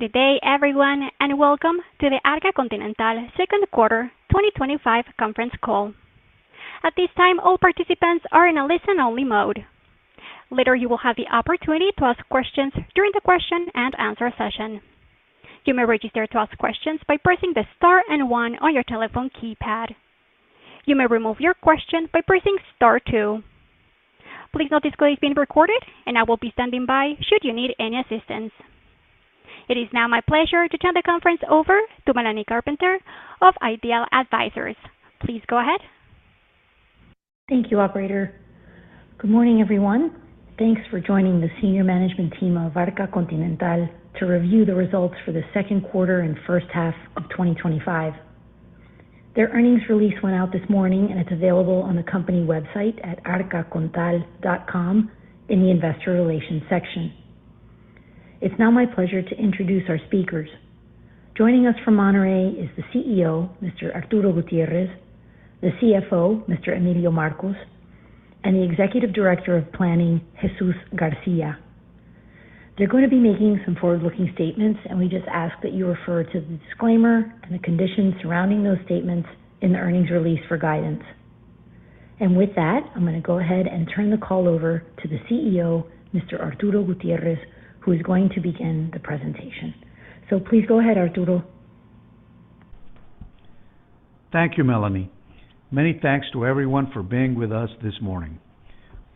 Good day, everyone, and welcome to the Arca Continental Second Quarter 2025 conference call. At this time, all participants are in a listen-only mode. Later, you will have the opportunity to ask questions during the question and answer session. You may register to ask questions by pressing the star and one on your telephone keypad. You may remove your question by pressing star two. Please note this call is being recorded, and I will be standing by should you need any assistance. It is now my pleasure to turn the conference over to Melanie Carpenter of Ideal Advisors. Please go ahead. Thank you, Operator. Good morning, everyone. Thanks for joining the senior management team of Arca Continental to review the results for the second quarter and first half of 2025. Their earnings release went out this morning, and it's available on the company website at arcacontinental.com in the investor relations section. It's now my pleasure to introduce our speakers. Joining us from Monterrey is the CEO, Mr. Arturo Gutiérrez, the CFO, Mr. Emilio Marcos, and the Executive Director of Planning, Jesús García. They're going to be making some forward-looking statements, and we just ask that you refer to the disclaimer and the conditions surrounding those statements in the earnings release for guidance. And with that, I'm going to go ahead and turn the call over to the CEO, Mr. Arturo Gutiérrez, who is going to begin the presentation. So please go ahead, Arturo. Thank you, Melanie. Many thanks to everyone for being with us this morning.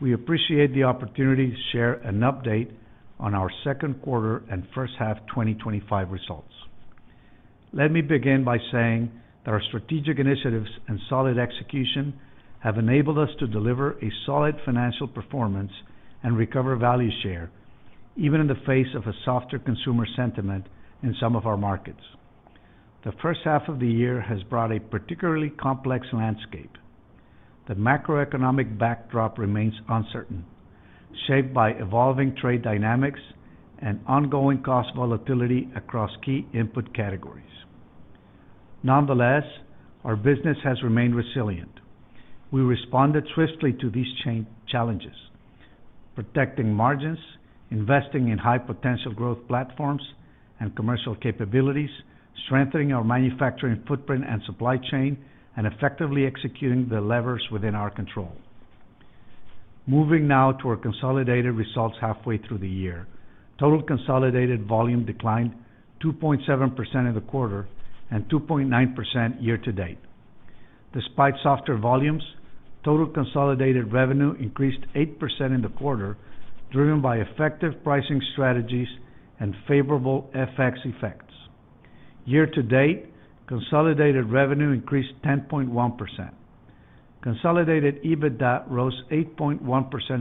We appreciate the opportunity to share an update on our second quarter and first half 2025 results. Let me begin by saying that our strategic initiatives and solid execution have enabled us to deliver a solid financial performance and recover value share, even in the face of a softer consumer sentiment in some of our markets. The first half of the year has brought a particularly complex landscape. The macroeconomic backdrop remains uncertain, shaped by evolving trade dynamics and ongoing cost volatility across key input categories. Nonetheless, our business has remained resilient. We responded swiftly to these challenges: protecting margins, investing in high-potential growth platforms and commercial capabilities, strengthening our manufacturing footprint and supply chain, and effectively executing the levers within our control. Moving now to our consolidated results halfway through the year, total consolidated volume declined 2.7% in the quarter and 2.9% year to date. Despite softer volumes, total consolidated revenue increased 8% in the quarter, driven by effective pricing strategies and favorable FX effects. Year to date, consolidated revenue increased 10.1%. Consolidated EBITDA rose 8.1%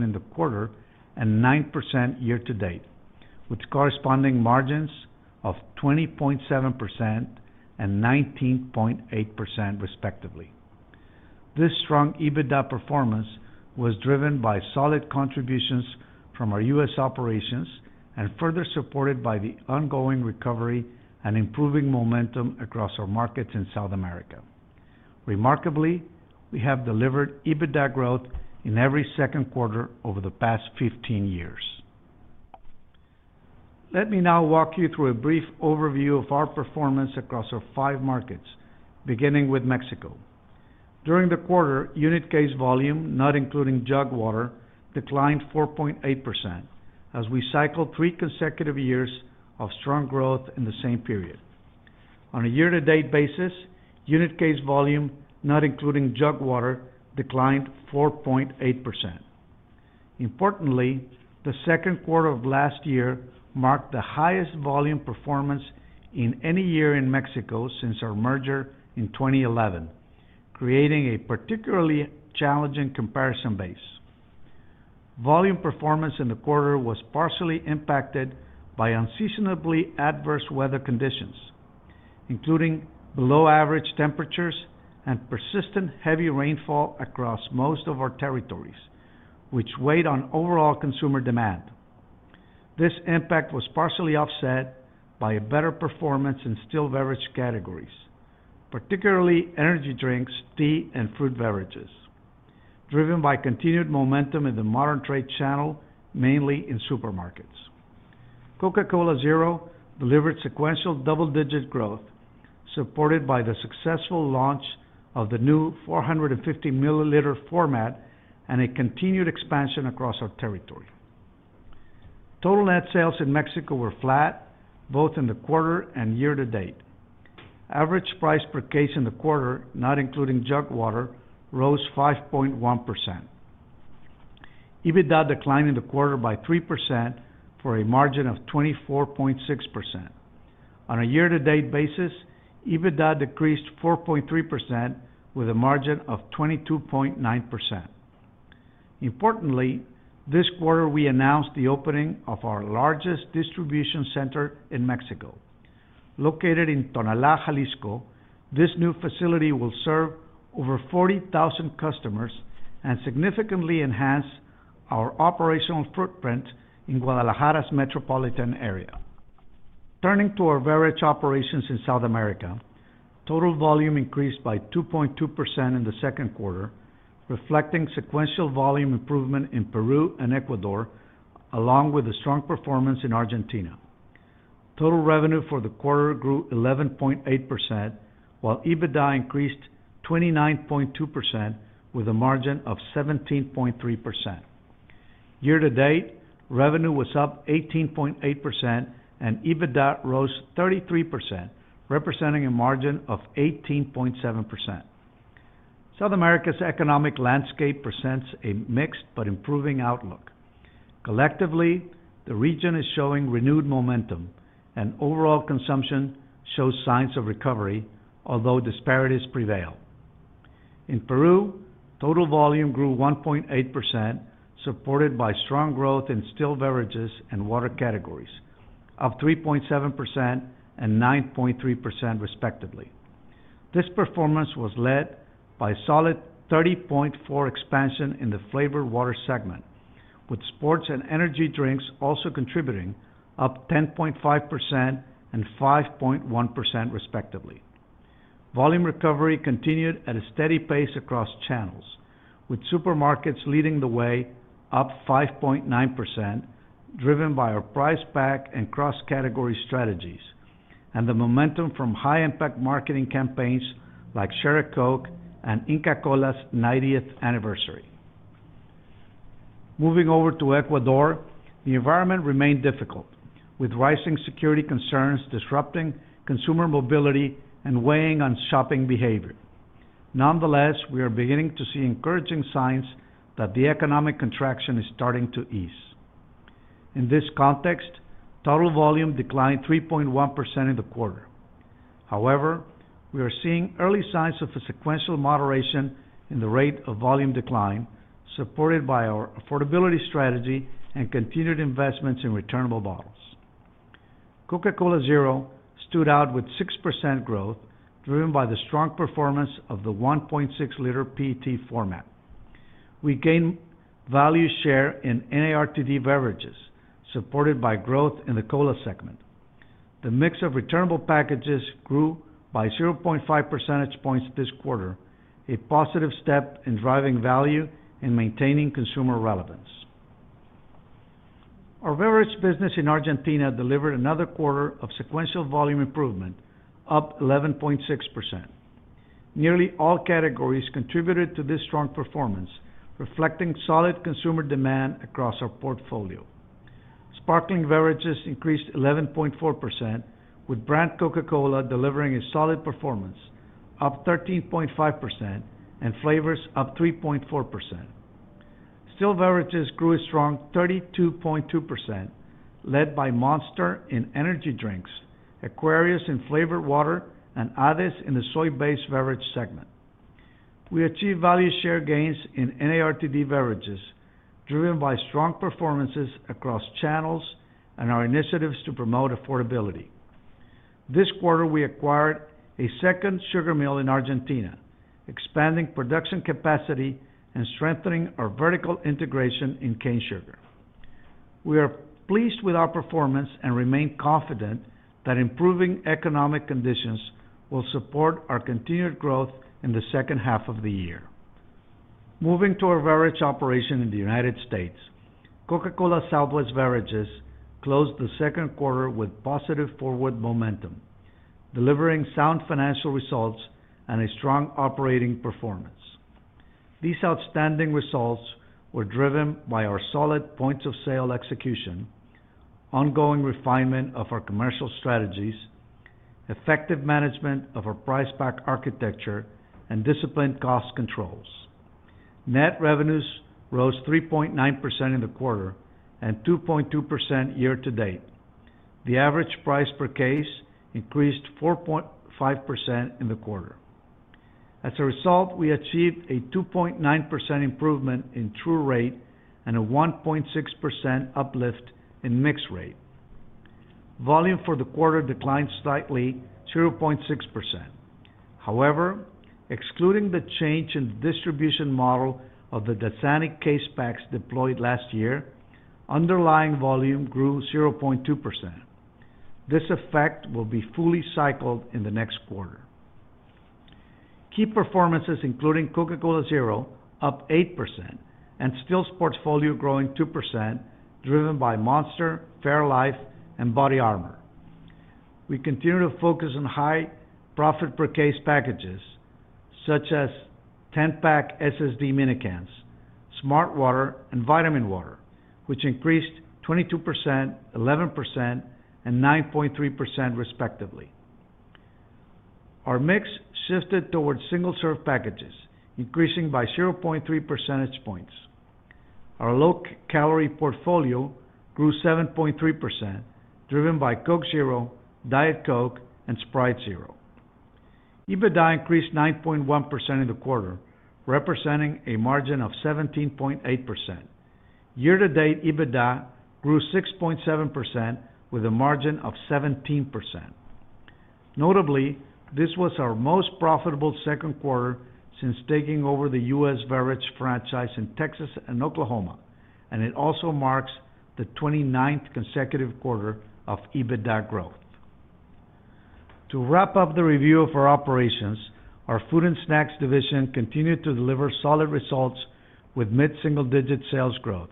in the quarter and 9% year to date, with corresponding margins of 20.7% and 19.8%, respectively. This strong EBITDA performance was driven by solid contributions from our U.S. operations and further supported by the ongoing recovery and improving momentum across our markets in South America. Remarkably, we have delivered EBITDA growth in every second quarter over the past 15 years. Let me now walk you through a brief overview of our performance across our five markets, beginning with Mexico. During the quarter, unit case volume, not including jug water, declined 4.8% as we cycled three consecutive years of strong growth in the same period. On a year-to-date basis, unit case volume, not including jug water, declined 4.8%. Importantly, the second quarter of last year marked the highest volume performance in any year in Mexico since our merger in 2011, creating a particularly challenging comparison base. Volume performance in the quarter was partially impacted by unseasonably adverse weather conditions, including below-average temperatures and persistent heavy rainfall across most of our territories, which weighed on overall consumer demand. This impact was partially offset by better performance in still beverage categories, particularly energy drinks, tea, and fruit beverages, driven by continued momentum in the modern trade channel, mainly in supermarkets. Coca-Cola Zero delivered sequential double-digit growth, supported by the successful launch of the new 450-milliliter format and a continued expansion across our territory. Total net sales in Mexico were flat, both in the quarter and year to date. Average price per case in the quarter, not including jug water, rose 5.1%. EBITDA declined in the quarter by 3% for a margin of 24.6%. On a year-to-date basis, EBITDA decreased 4.3% with a margin of 22.9%. Importantly, this quarter we announced the opening of our largest distribution center in Mexico. Located in Tonalá, Jalisco, this new facility will serve over 40,000 customers and significantly enhance our operational footprint in Guadalajara's metropolitan area. Turning to our beverage operations in South America, total volume increased by 2.2% in the second quarter, reflecting sequential volume improvement in Peru and Ecuador, along with the strong performance in Argentina. Total revenue for the quarter grew 11.8%, while EBITDA increased 29.2% with a margin of 17.3%. Year to date, revenue was up 18.8%, and EBITDA rose 33%, representing a margin of 18.7%. South America's economic landscape presents a mixed but improving outlook. Collectively, the region is showing renewed momentum, and overall consumption shows signs of recovery, although disparities prevail. In Peru, total volume grew 1.8%, supported by strong growth in still beverages and water categories, up 3.7% and 9.3%, respectively. This performance was led by a solid 30.4% expansion in the flavored water segment, with sports and energy drinks also contributing, up 10.5% and 5.1%, respectively. Volume recovery continued at a steady pace across channels, with supermarkets leading the way, up 5.9%, driven by our price pack and cross-category strategies, and the momentum from high-impact marketing campaigns like Cherry Coke and Inca Cola’s 90th anniversary. Moving over to Ecuador, the environment remained difficult, with rising security concerns disrupting consumer mobility and weighing on shopping behavior. Nonetheless, we are beginning to see encouraging signs that the economic contraction is starting to ease. In this context, total volume declined 3.1% in the quarter. However, we are seeing early signs of a sequential moderation in the rate of volume decline, supported by our affordability strategy and continued investments in returnable bottles. Coca-Cola Zero stood out with 6% growth, driven by the strong performance of the 1.6-liter PET format. We gained value share in NARTD beverages, supported by growth in the cola segment. The mix of returnable packages grew by 0.5 percentage points this quarter, a positive step in driving value and maintaining consumer relevance. Our beverage business in Argentina delivered another quarter of sequential volume improvement, up 11.6%. Nearly all categories contributed to this strong performance, reflecting solid consumer demand across our portfolio. Sparkling beverages increased 11.4%, with brand Coca-Cola delivering a solid performance, up 13.5%, and flavors up 3.4%. Still beverages grew a strong 32.2%, led by Monster in energy drinks, Aquarius in flavored water, and Ades in the soy-based beverage segment. We achieved value share gains in NARTD beverages, driven by strong performances across channels and our initiatives to promote affordability. This quarter, we acquired a second sugar mill in Argentina, expanding production capacity and strengthening our vertical integration in cane sugar. We are pleased with our performance and remain confident that improving economic conditions will support our continued growth in the second half of the year. Moving to our beverage operation in the United States, Coca-Cola Southwest Beverages closed the second quarter with positive forward momentum, delivering sound financial results and a strong operating performance. These outstanding results were driven by our solid points of sale execution, ongoing refinement of our commercial strategies, effective management of our price pack architecture, and disciplined cost controls. Net revenues rose 3.9% in the quarter and 2.2% year to date. The average price per case increased 4.5% in the quarter. As a result, we achieved a 2.9% improvement in true rate and a 1.6% uplift in mixed rate. Volume for the quarter declined slightly, 0.6%. However, excluding the change in the distribution model of the Dethani case packs deployed last year, underlying volume grew 0.2%. This effect will be fully cycled in the next quarter. Key performances, including Coca-Cola Zero, up 8%, and still sports folio growing 2%, driven by Monster, Fairlife, and BodyArmor. We continue to focus on high profit per case packages, such as 10-pack SSD minicans, Smartwater, and Vitaminwater, which increased 22%, 11%, and 9.3%, respectively. Our mix shifted towards single-serve packages, increasing by 0.3 percentage points. Our low-calorie portfolio grew 7.3%, driven by Coke Zero, Diet Coke, and Sprite Zero. EBITDA increased 9.1% in the quarter, representing a margin of 17.8%. Year-to-date, EBITDA grew 6.7%, with a margin of 17%. Notably, this was our most profitable second quarter since taking over the U.S. beverage franchise in Texas and Oklahoma, and it also marks the 29th consecutive quarter of EBITDA growth. To wrap up the review of our operations, our food and snacks division continued to deliver solid results with mid-single-digit sales growth.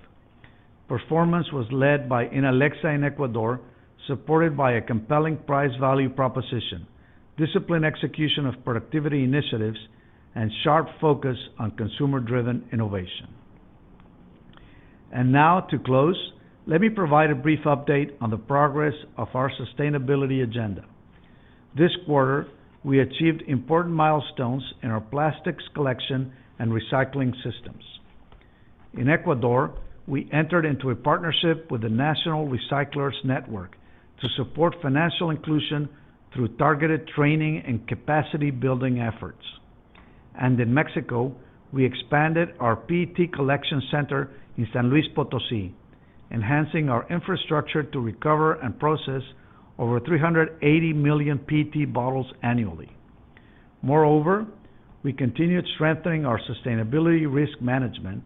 Performance was led by Inalexa in Ecuador, supported by a compelling price-value proposition, disciplined execution of productivity initiatives, and sharp focus on consumer-driven innovation. Now, to close, let me provide a brief update on the progress of our sustainability agenda. This quarter, we achieved important milestones in our plastics collection and recycling systems. In Ecuador, we entered into a partnership with the National Recyclers Network to support financial inclusion through targeted training and capacity-building efforts. In Mexico, we expanded our PET collection center in San Luis Potosí, enhancing our infrastructure to recover and process over 380 million PET bottles annually. Moreover, we continued strengthening our sustainability risk management,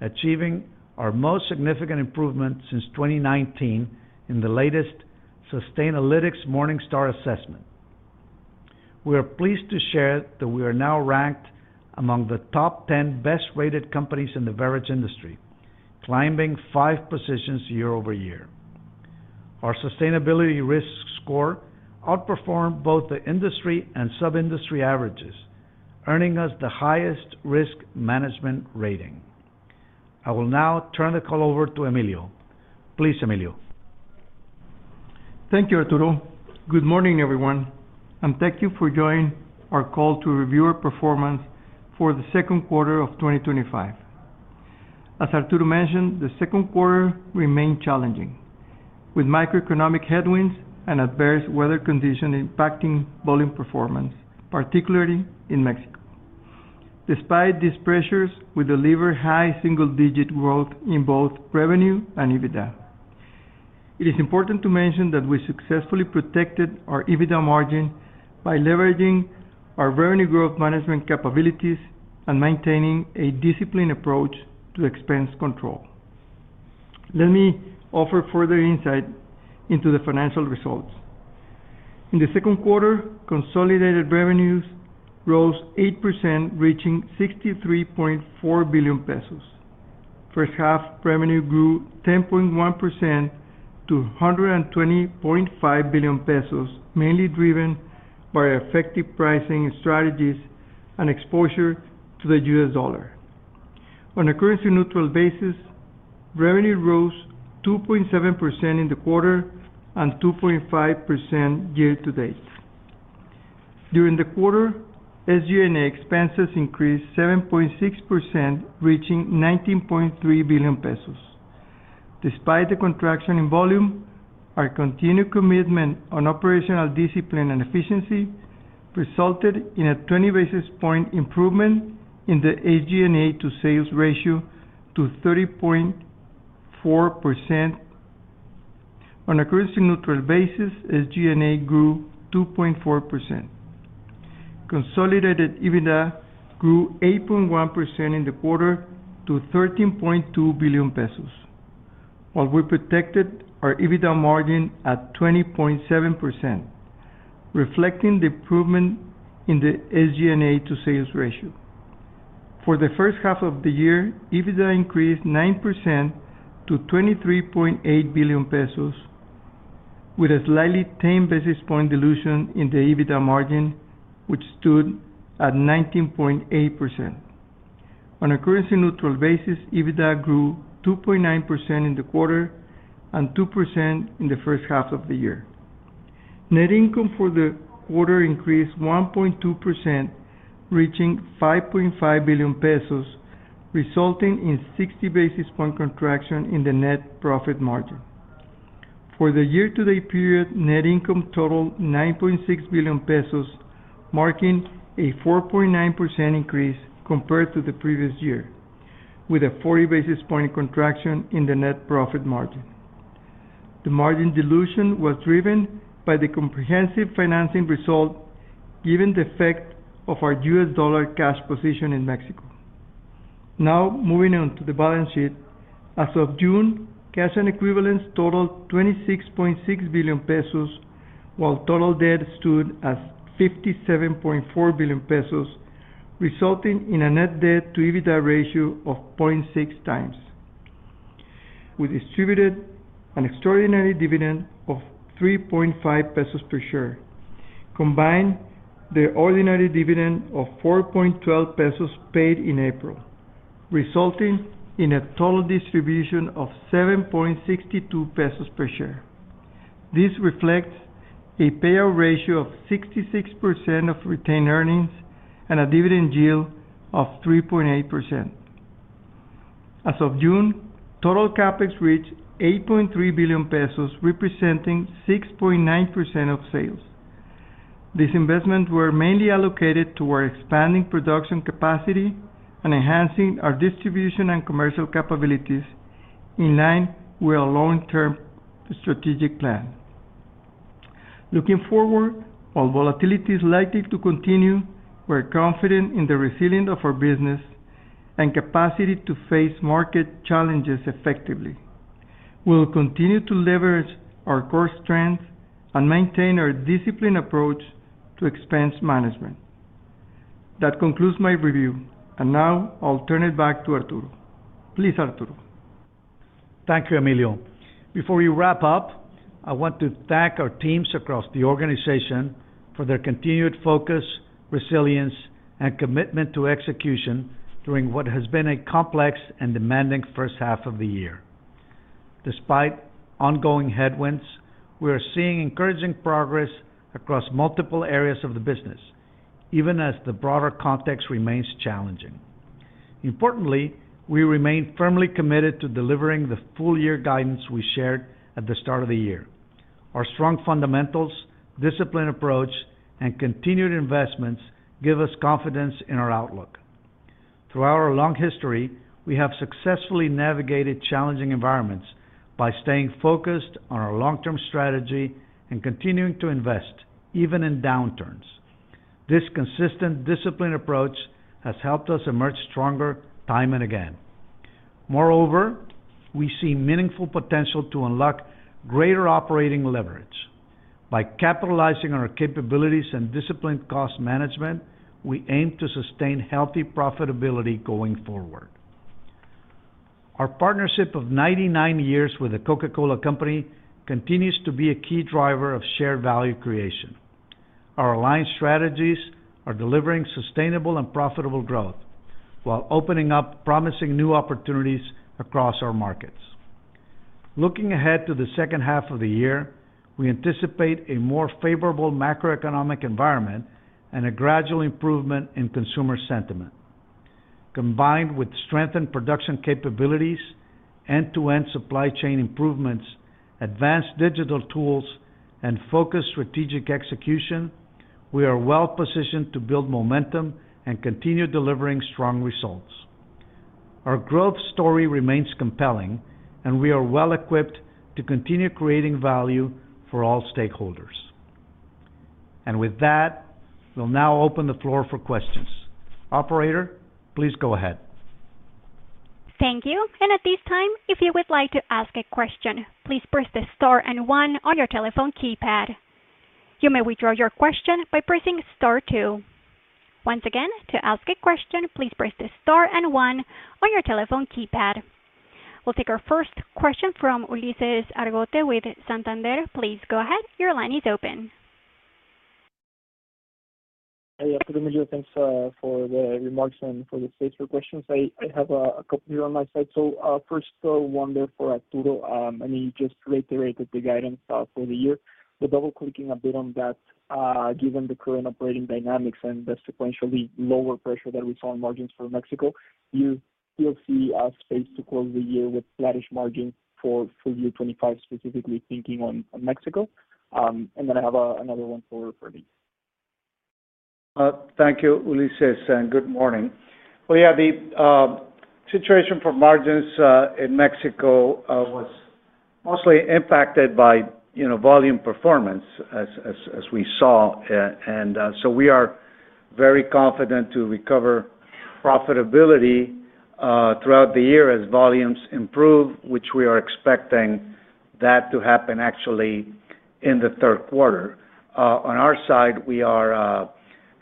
achieving our most significant improvement since 2019 in the latest Sustainalytics Morningstar assessment. We are pleased to share that we are now ranked among the top 10 best-rated companies in the beverage industry, climbing five positions year over year. Our sustainability risk score outperformed both the industry and sub-industry averages, earning us the highest risk management rating. I will now turn the call over to Emilio. Please, Emilio. Thank you, Arturo. Good morning, everyone. Thank you for joining our call to review our performance for the second quarter of 2025. As Arturo mentioned, the second quarter remained challenging, with macroeconomic headwinds and adverse weather conditions impacting volume performance, particularly in Mexico. Despite these pressures, we delivered high single-digit growth in both revenue and EBITDA. It is important to mention that we successfully protected our EBITDA margin by leveraging our revenue growth management capabilities and maintaining a disciplined approach to expense control. Let me offer further insight into the financial results. In the second quarter, consolidated revenues rose 8%, reaching 63.4 billion pesos. First-half revenue grew 10.1% to 120.5 billion pesos, mainly driven by effective pricing strategies and exposure to the U.S. dollar. On a currency-neutral basis, revenue rose 2.7% in the quarter and 2.5% year to date. During the quarter, SG&A expenses increased 7.6%, reaching 19.3 billion pesos. Despite the contraction in volume, our continued commitment on operational discipline and efficiency resulted in a 20 basis point improvement in the SG&A to sales ratio to 30.4%. On a currency-neutral basis, SG&A grew 2.4%. Consolidated EBITDA grew 8.1% in the quarter to 13.2 billion pesos, while we protected our EBITDA margin at 20.7%. Reflecting the improvement in the SG&A to sales ratio. For the first half of the year, EBITDA increased 9% to 23.8 billion pesos. With a slightly 10 basis point dilution in the EBITDA margin, which stood at 19.8%. On a currency-neutral basis, EBITDA grew 2.9% in the quarter and 2% in the first half of the year. Net income for the quarter increased 1.2%. Reaching 5.5 billion pesos, resulting in 60 basis point contraction in the net profit margin. For the year-to-date period, net income totaled 9.6 billion pesos, marking a 4.9% increase compared to the previous year, with a 40 basis point contraction in the net profit margin. The margin dilution was driven by the comprehensive financing result, given the effect of our U.S. dollar cash position in Mexico. Now, moving on to the balance sheet, as of June, cash and equivalents totaled 26.6 billion pesos, while total debt stood as 57.4 billion pesos, resulting in a net debt-to-EBITDA ratio of 0.6 times. We distributed an extraordinary dividend of 3.5 pesos per share. Combine the ordinary dividend of 4.12 pesos paid in April. Resulting in a total distribution of 7.62 pesos per share. This reflects a payout ratio of 66% of retained earnings and a dividend yield of 3.8%. As of June, total CapEx reached 8.3 billion pesos, representing 6.9% of sales. These investments were mainly allocated toward expanding production capacity and enhancing our distribution and commercial capabilities, in line with our long-term strategic plan. Looking forward, while volatility is likely to continue, we are confident in the resilience of our business. And capacity to face market challenges effectively. We will continue to leverage our core strengths and maintain our disciplined approach to expense management. That concludes my review, and now I'll turn it back to Arturo. Please, Arturo. Thank you, Emilio. Before we wrap up, I want to thank our teams across the organization for their continued focus, resilience, and commitment to execution during what has been a complex and demanding first half of the year. Despite ongoing headwinds, we are seeing encouraging progress across multiple areas of the business. Even as the broader context remains challenging. Importantly, we remain firmly committed to delivering the full-year guidance we shared at the start of the year. Our strong fundamentals, disciplined approach, and continued investments give us confidence in our outlook. Throughout our long history, we have successfully navigated challenging environments by staying focused on our long-term strategy and continuing to invest, even in downturns. This consistent disciplined approach has helped us emerge stronger time and again. Moreover, we see meaningful potential to unlock greater operating leverage. By capitalizing on our capabilities and disciplined cost management, we aim to sustain healthy profitability going forward. Our partnership of 99 years with the Coca-Cola Company continues to be a key driver of shared value creation. Our aligned strategies are delivering sustainable and profitable growth, while opening up promising new opportunities across our markets. Looking ahead to the second half of the year, we anticipate a more favorable macroeconomic environment and a gradual improvement in consumer sentiment. Combined with strengthened production capabilities, end-to-end supply chain improvements, advanced digital tools, and focused strategic execution, we are well-positioned to build momentum and continue delivering strong results. Our growth story remains compelling, and we are well-equipped to continue creating value for all stakeholders. And with that, we'll now open the floor for questions. Operator, please go ahead. Thank you. And at this time, if you would like to ask a question, please press the star and one on your telephone keypad. You may withdraw your question by pressing star two. Once again, to ask a question, please press the star and one on your telephone keypad. We'll take our first question from Ulises Argote Bolio with Santander. Please go ahead. Your line is open. Hey, afternoon, Emilio. Thanks for the remarks and for the space for questions. I have a couple here on my side. So first, one word for Arturo. I mean, you just reiterated the guidance for the year. But double-clicking a bit on that, given the current operating dynamics and the sequentially lower pressure that we saw in margins for Mexico, you still see a space to close the year with flatish margins for full-year 2025, specifically thinking on Mexico. And then I have another one for me. Thank you, Ulises. And good morning. Well, yeah, the situation for margins in Mexico was mostly impacted by volume performance, as we saw. And so we are very confident to recover profitability throughout the year as volumes improve, which we are expecting that to happen actually in the third quarter. On our side, we are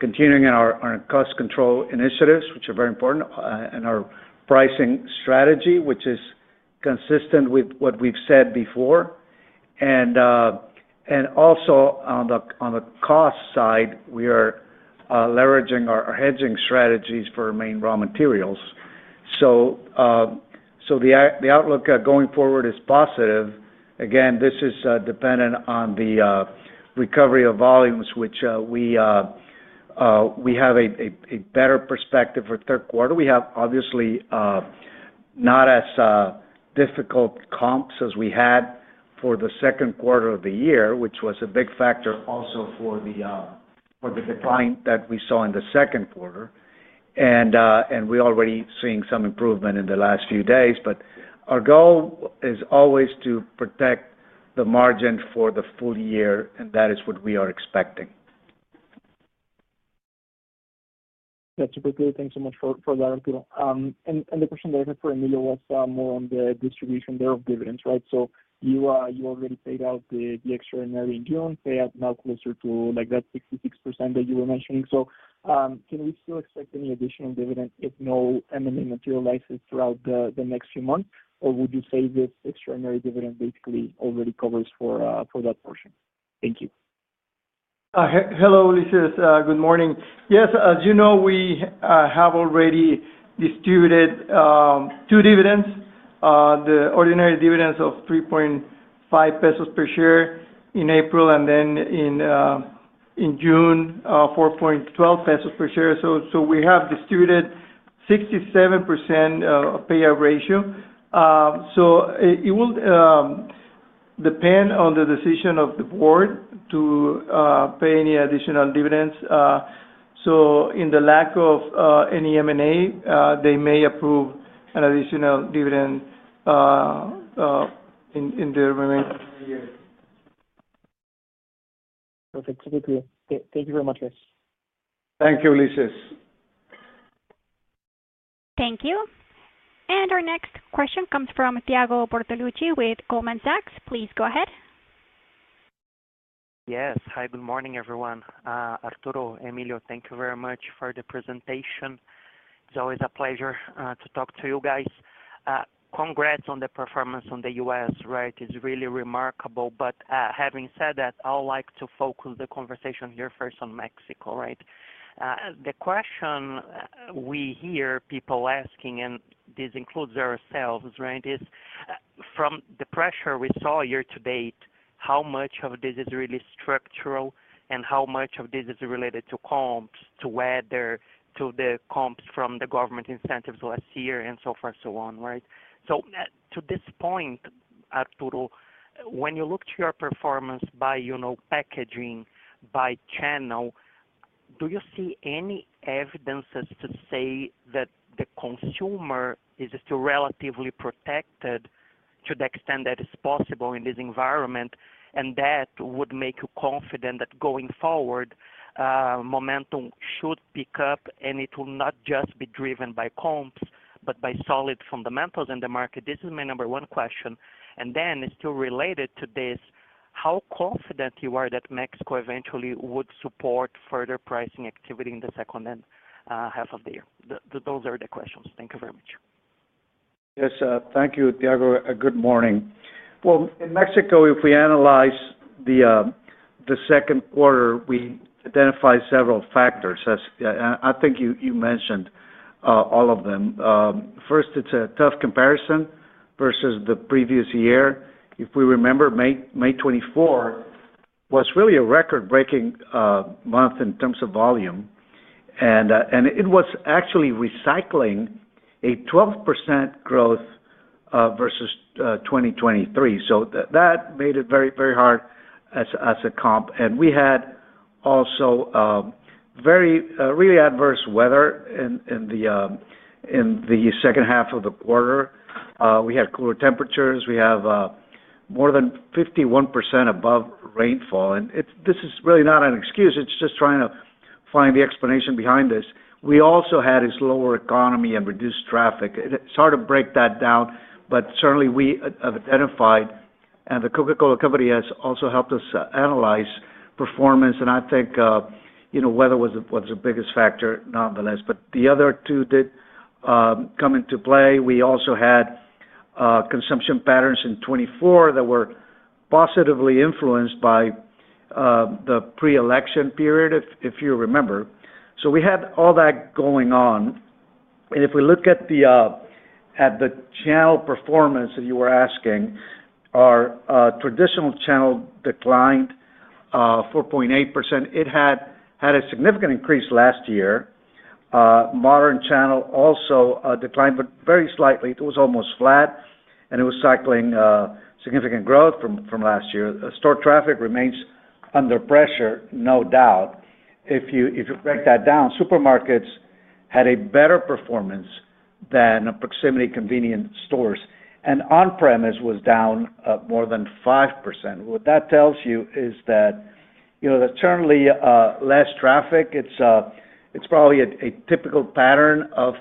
continuing on our cost control initiatives, which are very important, and our pricing strategy, which is consistent with what we've said before. And also, on the cost side, we are leveraging our hedging strategies for main raw materials. So the outlook going forward is positive. Again, this is dependent on the recovery of volumes, which we. Have a better perspective for the third quarter. We have, obviously, not as difficult comps as we had for the second quarter of the year, which was a big factor also for the decline that we saw in the second quarter. And we're already seeing some improvement in the last few days. But our goal is always to protect the margin for the full year, and that is what we are expecting. That's a good point. Thanks so much for that, Arturo. And the question that I had for Emilio was more on the distribution there of dividends, right? So you already paid out the extraordinary in June, paid out now closer to that 66% that you were mentioning. So can we still expect any additional dividend if no M&A materializes throughout the next few months, or would you say this extraordinary dividend basically already covers for that portion? Thank you. Hello, Ulises. Good morning. Yes, as you know, we have already distributed two dividends, the ordinary dividends of 3.5 pesos per share in April and then in June, 4.12 pesos per share. So we have distributed 67% payout ratio. So it will depend on the decision of the board to pay any additional dividends. So in the lack of any M&A, they may approve an additional dividend in the remaining year. Perfect. Thank you very much, guys. Thank you, Ulises. Thank you. And our next question comes from Thiago Bortoluci with Goldman Sachs. Please go ahead. Yes. Hi, good morning, everyone. Arturo, Emilio, thank you very much for the presentation. It's always a pleasure to talk to you guys. Congrats on the performance in the U.S., right? It's really remarkable. But having said that, I'd like to focus the conversation here first on Mexico, right? The question we hear people asking, and this includes ourselves, right, is from the pressure we saw year to date, how much of this is really structural and how much of this is related to comps, to weather, to the comps from the government incentives last year, and so forth, so on, right? So to this point, Arturo, when you look to your performance by packaging, by channel, do you see any evidences to say that the consumer is still relatively protected to the extent that it's possible in this environment, and that would make you confident that going forward momentum should pick up and it will not just be driven by comps but by solid fundamentals in the market? This is my number one question. And then it's still related to this, how confident you are that Mexico eventually would support further pricing activity in the second half of the year? Those are the questions. Thank you very much. Yes. Thank you, Thiago. Good morning. Well, in Mexico, if we analyze the second quarter, we identify several factors. I think you mentioned all of them. First, it's a tough comparison versus the previous year. If we remember, May 2024. It was really a record-breaking month in terms of volume, and it was actually recycling a 12% growth versus 2023. So that made it very, very hard as a comp. We had also really adverse weather in the second half of the quarter. We had cooler temperatures. We had more than 51% above rainfall. And this is really not an excuse. It's just trying to find the explanation behind this. We also had a slower economy and reduced traffic. It's hard to break that down, but certainly we have identified, and the Coca-Cola Company has also helped us analyze performance. And I think weather was the biggest factor, nonetheless. But the other two did come into play. We also had consumption patterns in 2024 that were positively influenced by the pre-election period, if you remember. So we had all that going on. If we look at the channel performance that you were asking, our traditional channel declined 4.8%. It had a significant increase last year. Modern channel also declined, but very slightly. It was almost flat, and it was cycling significant growth from last year. Store traffic remains under pressure, no doubt. If you break that down, supermarkets had a better performance than proximity convenience stores. And on-premise was down more than 5%. What that tells you is that there's certainly less traffic. It's probably a typical pattern of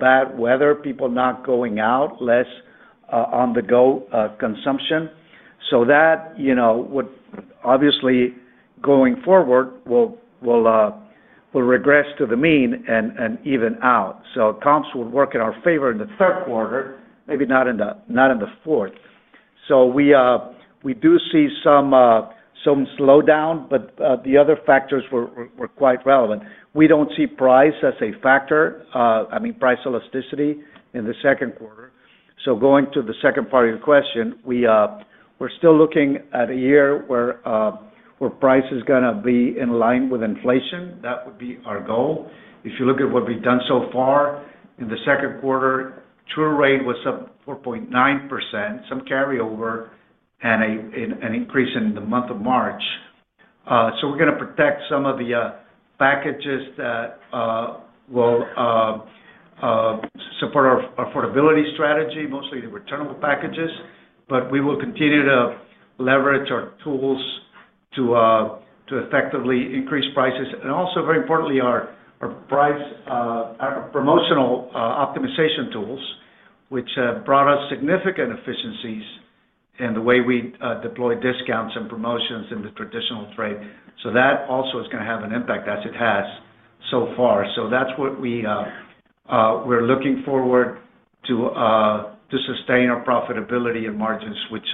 bad weather, people not going out, less on-the-go consumption. So that would obviously, going forward, regress to the mean and even out. So comps would work in our favor in the third quarter, maybe not in the fourth. We do see some slowdown, but the other factors were quite relevant. We don't see price as a factor, I mean, price elasticity in the second quarter. Going to the second part of your question, we're still looking at a year where price is going to be in line with inflation. That would be our goal. If you look at what we've done so far in the second quarter, true rate was up 4.9%, some carryover, and an increase in the month of March. So we're going to protect some of the packages that will support our affordability strategy, mostly the returnable packages. But we will continue to leverage our tools to effectively increase prices. And also, very importantly, our price promotional optimization tools, which brought us significant efficiencies in the way we deploy discounts and promotions in the traditional trade. So that also is going to have an impact as it has so far. So that's what we're looking forward to sustain our profitability and margins, which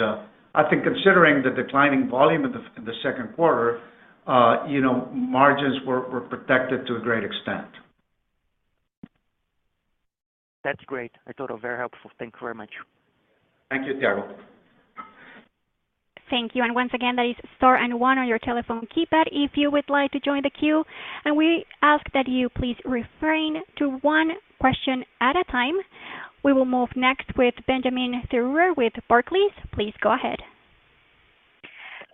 I think, considering the declining volume in the second quarter, margins were protected to a great extent. That's great. I thought it was very helpful. Thank you very much. Thank you, Thiago. Thank you. And once again, that is star and one on your telephone keypad if you would like to join the queue. And we ask that you please refrain to one question at a time. We will move next with Benjamin Thurr with Barclays. Please go ahead.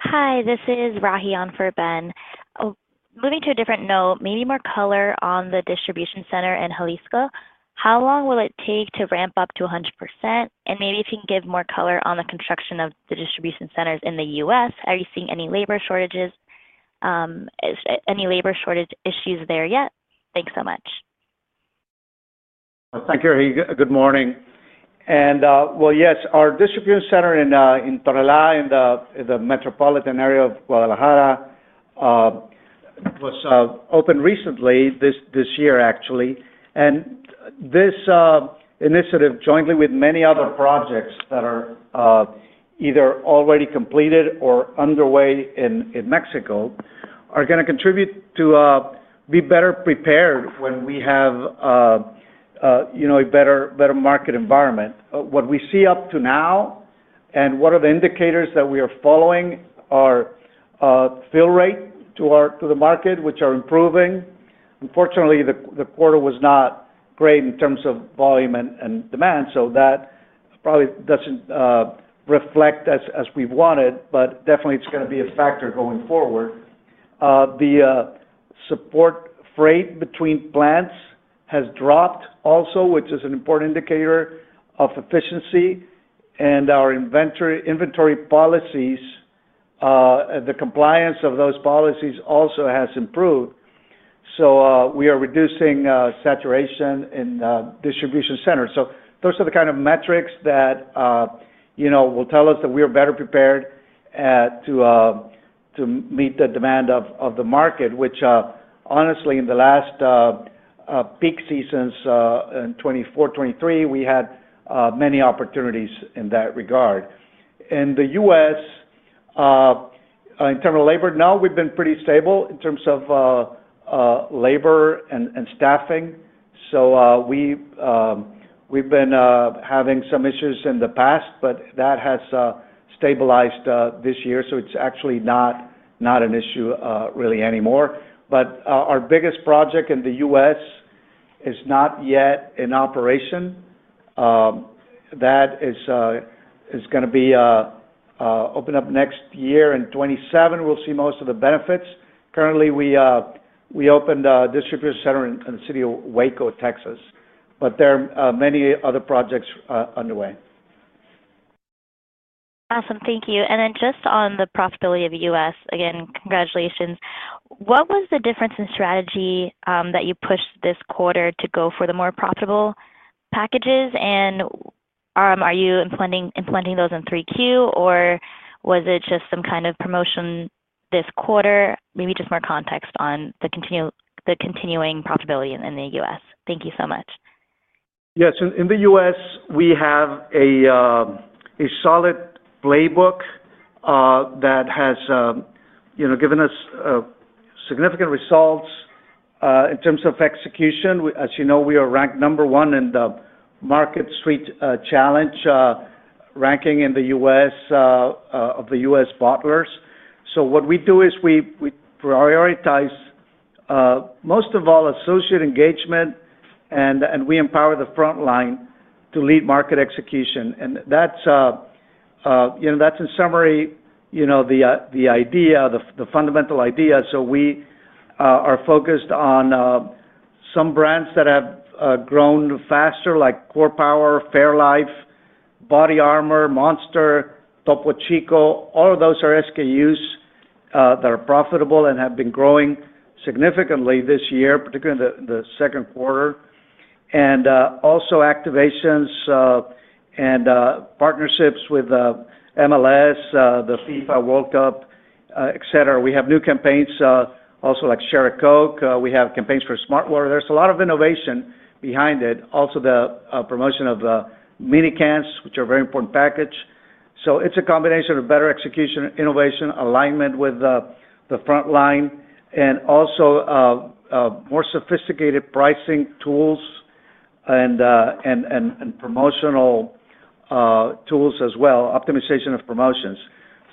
Hi, this is Rahi for Ben. Moving to a different note, maybe more color on the distribution center in Jalisco. How long will it take to ramp up to 100%? And maybe if you can give more color on the construction of the distribution centers in the U.S., are you seeing any labor shortages. Any labor shortage issues there yet? Thanks so much. Thank you. Good morning. And well, yes, our distribution center in Tonalá, in the metropolitan area of Guadalajara. Was open recently, this year, actually. And this initiative, jointly with many other projects that are either already completed or underway in Mexico, are going to contribute to be better prepared when we have a better market environment. What we see up to now and what are the indicators that we are following are fill rate to the market, which are improving. Unfortunately, the quarter was not great in terms of volume and demand. So that probably doesn't reflect as we've wanted, but definitely it's going to be a factor going forward. The support freight between plants has dropped also, which is an important indicator of efficiency. And our inventory policies, the compliance of those policies also has improved. So we are reducing saturation in distribution centers. So those are the kind of metrics that will tell us that we are better prepared to meet the demand of the market, which honestly, in the last peak seasons in 2024, 2023, we had many opportunities in that regard. In the U.S. In terms of labor, no, we've been pretty stable in terms of labor and staffing. So we've been having some issues in the past, but that has stabilized this year. So it's actually not an issue really anymore. But our biggest project in the U.S. is not yet in operation. That is going to be opened up next year in 2027. We'll see most of the benefits. Currently, we opened a distribution center in the city of Waco, Texas. But there are many other projects underway. Awesome. Thank you. And then just on the profitability of the U.S., again, congratulations. What was the difference in strategy that you pushed this quarter to go for the more profitable packages? And are you implementing those in 3Q, or was it just some kind of promotion this quarter? Maybe just more context on the continuing profitability in the U.S. Thank you so much. Yes. In the U.S., we have a solid playbook that has given us significant results in terms of execution. As you know, we are ranked number one in the market street challenge ranking in the U.S. of the U.S. bottlers. So what we do is we prioritize most of all, associate engagement, and we empower the frontline to lead market execution. And that's in summary, the idea, the fundamental idea. So we are focused on some brands that have grown faster, like Core Power, Fairlife, BodyArmor, Monster, Topo Chico. All of those are SKUs that are profitable and have been growing significantly this year, particularly in the second quarter. And also activations and partnerships with MLS, the FIFA World Cup, etc. We have new campaigns also like Cherry Coke. We have campaigns for Smartwater. There's a lot of innovation behind it. Also, the promotion of mini cans, which are a very important package. So it's a combination of better execution, innovation, alignment with the frontline, and also more sophisticated pricing tools. And promotional tools as well, optimization of promotions,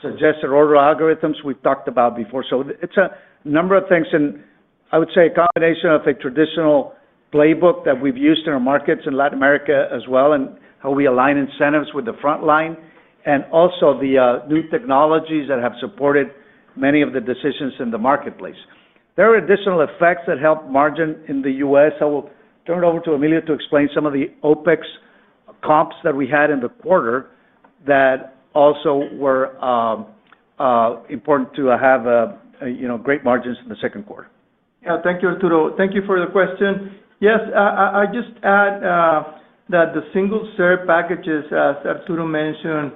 suggested order algorithms we've talked about before. So it's a number of things. And I would say a combination of a traditional playbook that we've used in our markets in Latin America as well, and how we align incentives with the frontline, and also the new technologies that have supported many of the decisions in the marketplace. There are additional effects that help margin in the U.S. I will turn it over to Emilio to explain some of the OPEX comps that we had in the quarter that also were important to have great margins in the second quarter. Yeah. Thank you, Arturo. Thank you for the question. Yes. I just add that the single serve packages, as Arturo mentioned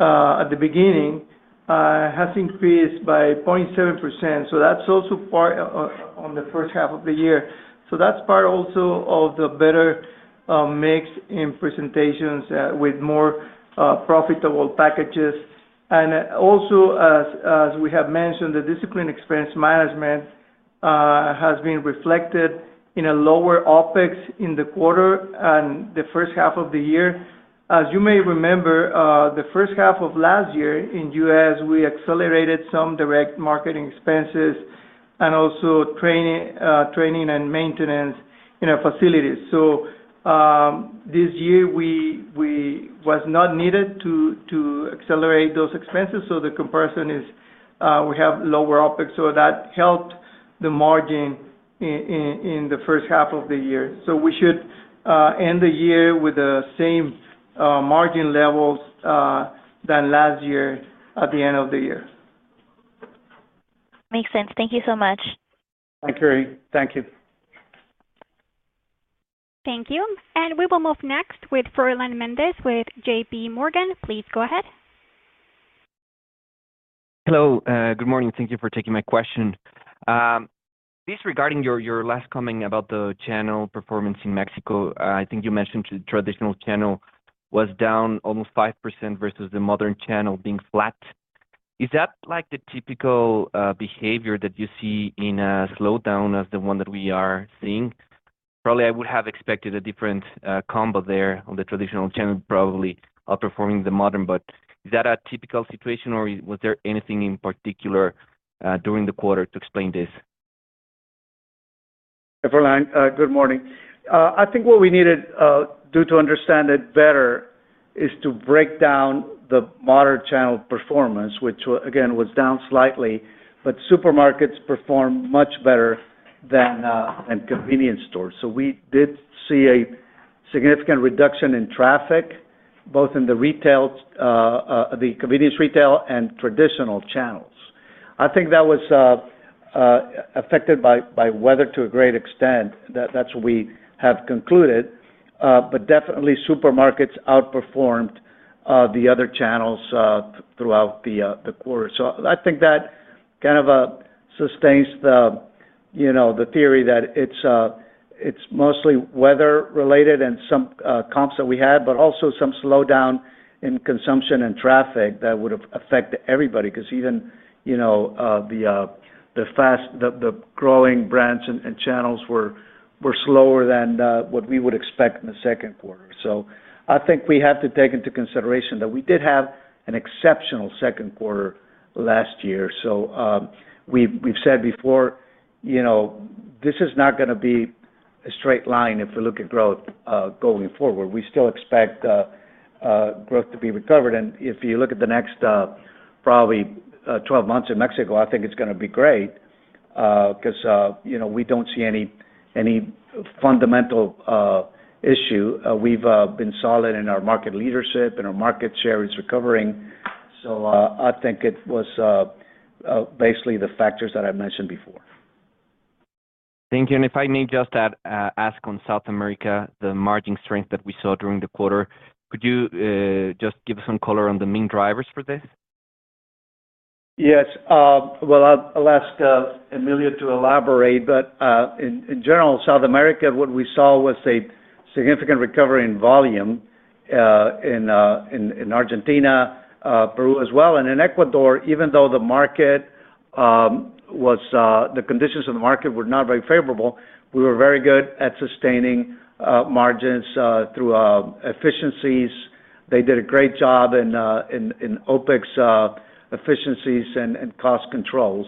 at the beginning, has increased by 0.7%. So that's also part on the first half of the year. So that's part also of the better mix in presentations with more profitable packages. And also, as we have mentioned, the disciplined expense management has been reflected in a lower OPEX in the quarter and the first half of the year. As you may remember, the first half of last year in U.S., we accelerated some direct marketing expenses and also training and maintenance in our facilities. So this year was not needed to accelerate those expenses. So the comparison is we have lower OPEX. So that helped the margin in the first half of the year. So we should end the year with the same margin levels than last year at the end of the year. Makes sense. Thank you so much. Thank you. Thank you. Thank you. And we will move next with Fernando Mendez with JP Morgan. Please go ahead. Hello. Good morning. Thank you for taking my question. This regarding your last comment about the channel performance in Mexico. I think you mentioned the traditional channel was down almost 5% versus the modern channel being flat. Is that the typical behavior that you see in a slowdown as the one that we are seeing? Probably I would have expected a different combo there on the traditional channel, probably outperforming the modern. But is that a typical situation, or was there anything in particular during the quarter to explain this? Good morning. I think what we needed to understand it better is to break down the modern channel performance, which, again, was down slightly, but supermarkets perform much better than convenience stores. So we did see a significant reduction in traffic, both in the convenience retail and traditional channels. I think that was affected by weather to a great extent. That's what we have concluded. But definitely, supermarkets outperformed the other channels throughout the quarter. So I think that kind of sustains the theory that it's mostly weather-related and some comps that we had, but also some slowdown in consumption and traffic that would have affected everybody because even the growing brands and channels were slower than what we would expect in the second quarter. So I think we have to take into consideration that we did have an exceptional second quarter last year. So we've said before. This is not going to be a straight line if we look at growth going forward. We still expect growth to be recovered. And if you look at the next probably 12 months in Mexico, I think it's going to be great. Because we don't see any fundamental issue. We've been solid in our market leadership, and our market share is recovering. So I think it was basically the factors that I mentioned before. Thank you. And if I may just ask on South America, the margin strength that we saw during the quarter, could you just give us some color on the main drivers for this? Yes. Well, I'll ask Emilio to elaborate. But in general, South America, what we saw was a significant recovery in volume in Argentina, Peru as well, and in Ecuador, even though the market was, the conditions of the market were not very favorable, we were very good at sustaining margins through efficiencies. They did a great job in OPEX efficiencies and cost controls.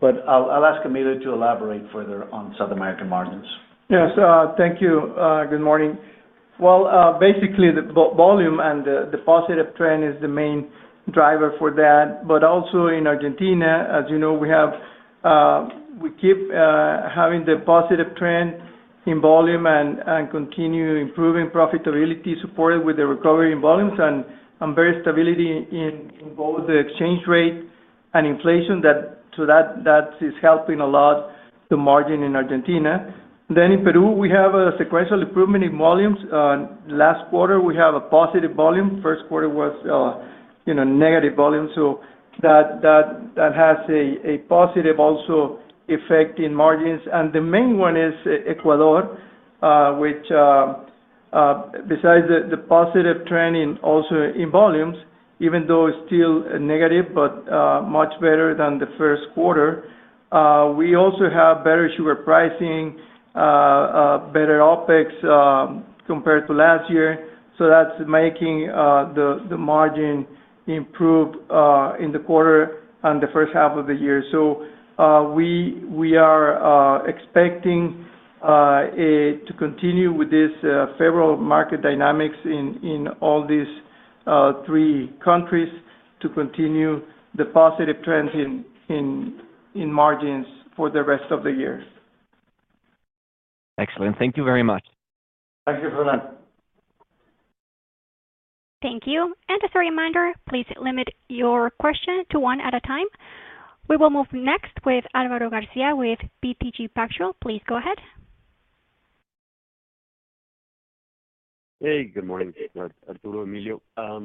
But I'll ask Emilio to elaborate further on South American margins. Yes. Thank you. Good morning. Well, basically, the volume and the positive trend is the main driver for that. But also in Argentina, as you know, we keep having the positive trend in volume and continue improving profitability supported with the recovery in volumes and various stability in both the exchange rate and inflation. So that is helping a lot the margin in Argentina. Then in Peru, we have a sequential improvement in volumes. Last quarter, we have a positive volume. First quarter was negative volume. So that has a positive also effect in margins. And the main one is Ecuador, which besides the positive trend in also in volumes, even though it's still negative, but much better than the first quarter. We also have better sugar pricing. Better OPEX compared to last year. So that's making the margin improve in the quarter and the first half of the year. So we are expecting to continue with this favorable market dynamics in all these three countries to continue the positive trends in. Margins for the rest of the year. Excellent. Thank you very much. Thank you, Fernando. Thank you. And as a reminder, please limit your question to one at a time. We will move next with Álvaro García with BTG Pactual. Please go ahead. Hey, good morning. Arturo, Emilio. I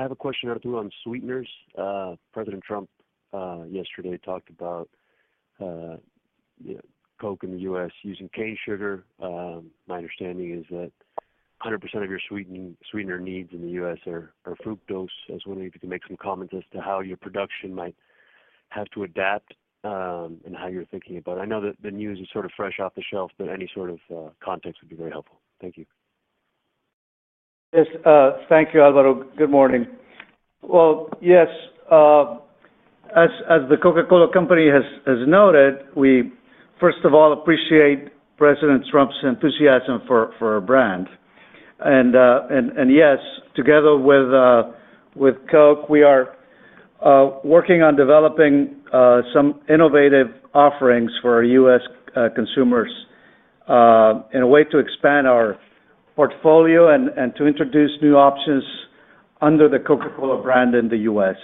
have a question, Arturo, on sweeteners. President Trump yesterday talked about. Coke in the U.S. using cane sugar. My understanding is that 100% of your sweetener needs in the U.S. are fructose. I was wondering if you could make some comments as to how your production might have to adapt. And how you're thinking about it. I know that the news is sort of fresh off the shelf, but any sort of context would be very helpful. Thank you. Yes. Thank you, Álvaro. Good morning. Well, yes. As the Coca-Cola Company has noted, we, first of all, appreciate President Trump's enthusiasm for our brand. And yes, together with. Coke, we are. Working on developing. Some innovative offerings for U.S. consumers. In a way to expand our portfolio and to introduce new options under the Coca-Cola brand in the U.S.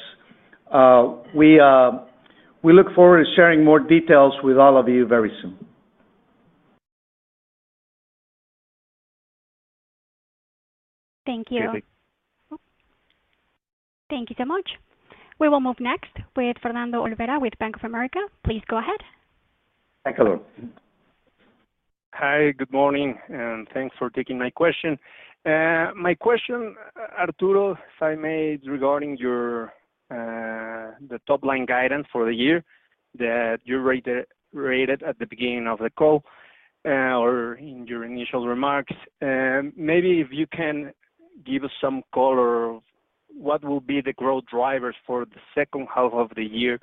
We. Look forward to sharing more details with all of you very soon. Thank you. Thank you so much. We will move next with Fernando Olvera with Bank of America. Please go ahead. Hi, good morning. And thanks for taking my question. My question, Arturo, I made regarding. The top-line guidance for the year that you reiterated at the beginning of the call. Or in your initial remarks. Maybe if you can give us some color of what will be the growth drivers for the second half of the year,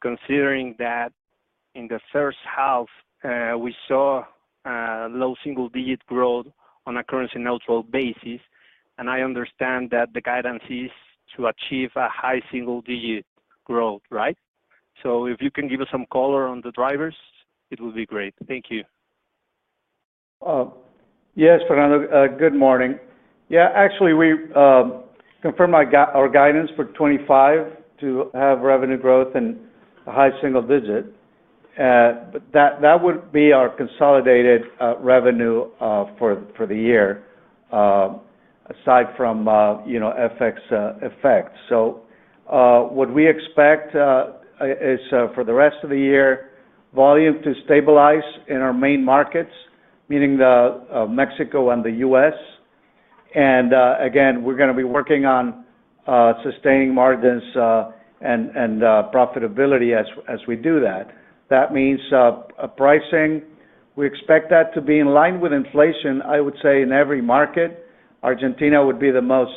considering that in the first half, we saw. Low single-digit growth on a currency neutral basis. And I understand that the guidance is to achieve a high single-digit growth, right? So if you can give us some color on the drivers, it would be great. Thank you. Yes, Fernando. Good morning. Yeah. Actually, we. Confirmed our guidance for 2025 to have revenue growth and a high single-digit. That would be our consolidated revenue for the year. Aside from. FX effects. So. What we expect. Is for the rest of the year, volume to stabilize in our main markets, meaning Mexico and the U.S. And again, we're going to be working on. Sustaining margins and profitability as we do that. That means pricing. We expect that to be in line with inflation, I would say, in every market. Argentina would be the most.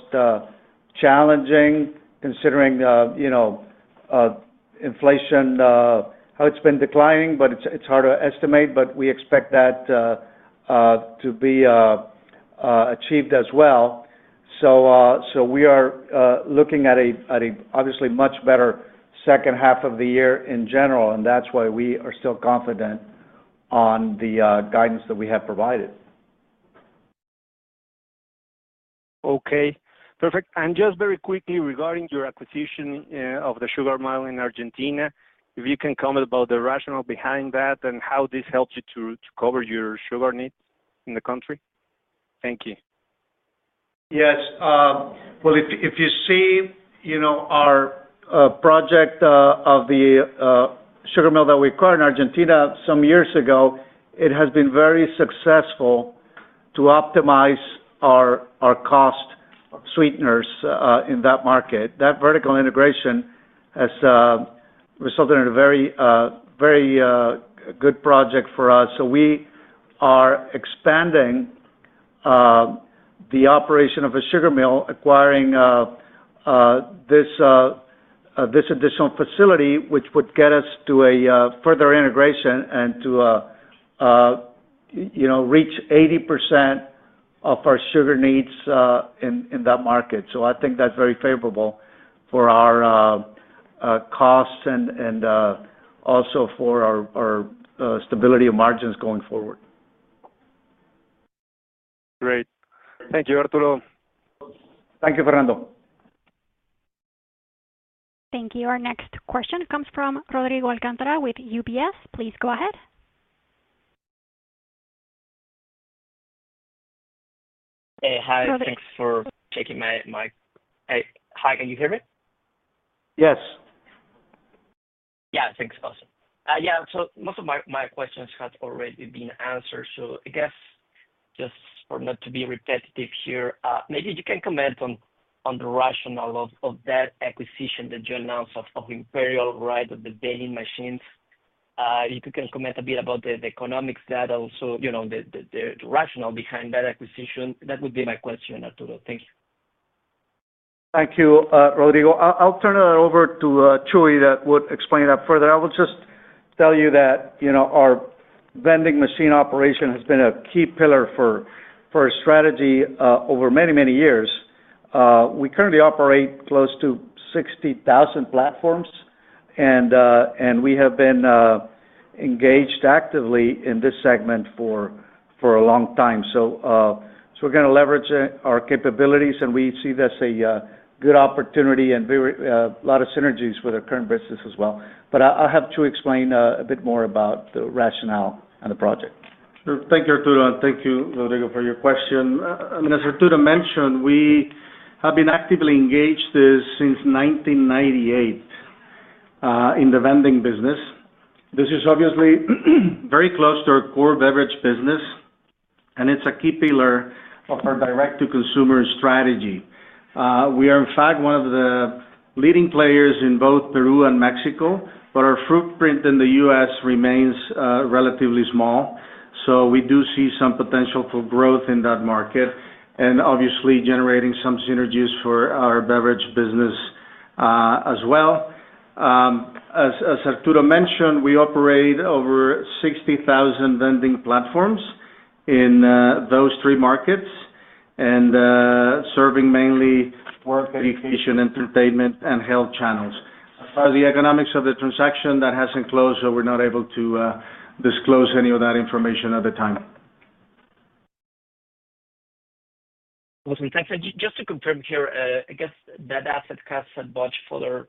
Challenging, considering. Inflation, how it's been declining, but it's hard to estimate. But we expect that. To be. Achieved as well. So we are looking at a, obviously, much better second half of the year in general, and that's why we are still confident on the guidance that we have provided. Okay. Perfect. Just very quickly regarding your acquisition of the sugar mill in Argentina, if you can comment about the rationale behind that and how this helps you to cover your sugar needs in the country. Thank you. Yes. Well, if you see our project of the sugar mill that we acquired in Argentina some years ago, it has been very successful to optimize our cost sweeteners in that market. That vertical integration has resulted in a very good project for us. So we are expanding the operation of a sugar mill, acquiring this additional facility, which would get us to a further integration and to reach 80% of our sugar needs in that market. So I think that's very favorable for our costs and also for our stability of margins going forward. Great. Thank you, Arturo. Thank you, Fernando. Thank you. Our next question comes from Rodrigo Alcantara with UBS. Please go ahead. Hey, hi. Thanks for taking my question. Hi. Can you hear me? Yes. Yeah. Thanks. Awesome. Yeah. So most of my questions have already been answered. So I guess just for not to be repetitive here, maybe you can comment on the rationale of that acquisition that you announced of Imperial, right, of the vending machines. If you can comment a bit about the economics that also the rationale behind that acquisition, that would be my question, Arturo. Thank you. Thank you, Rodrigo. I'll turn it over to Chuy that would explain that further. I will just tell you that our vending machine operation has been a key pillar for our strategy over many, many years. We currently operate close to 60,000 platforms, and we have been engaged actively in this segment for a long time. So we're going to leverage our capabilities, and we see this as a good opportunity and a lot of synergies with our current business as well. But I'll have Chuy explain a bit more about the rationale and the project. Sure. Thank you, Arturo. And thank you, Rodrigo, for your question. I mean, as Arturo mentioned, we have been actively engaged since 1998 in the vending business. This is obviously very close to our core beverage business. And it's a key pillar of our direct-to-consumer strategy. We are, in fact, one of the leading players in both Peru and Mexico, but our footprint in the U.S. remains relatively small. So we do see some potential for growth in that market and, obviously, generating some synergies for our beverage business as well. As Arturo mentioned, we operate over 60,000 vending platforms in those three markets and serving mainly work, education, entertainment, and health channels. As far as the economics of the transaction, that hasn't closed, so we're not able to disclose any of that information at the time. Awesome. Thanks. And just to confirm here, I guess that asset class had much further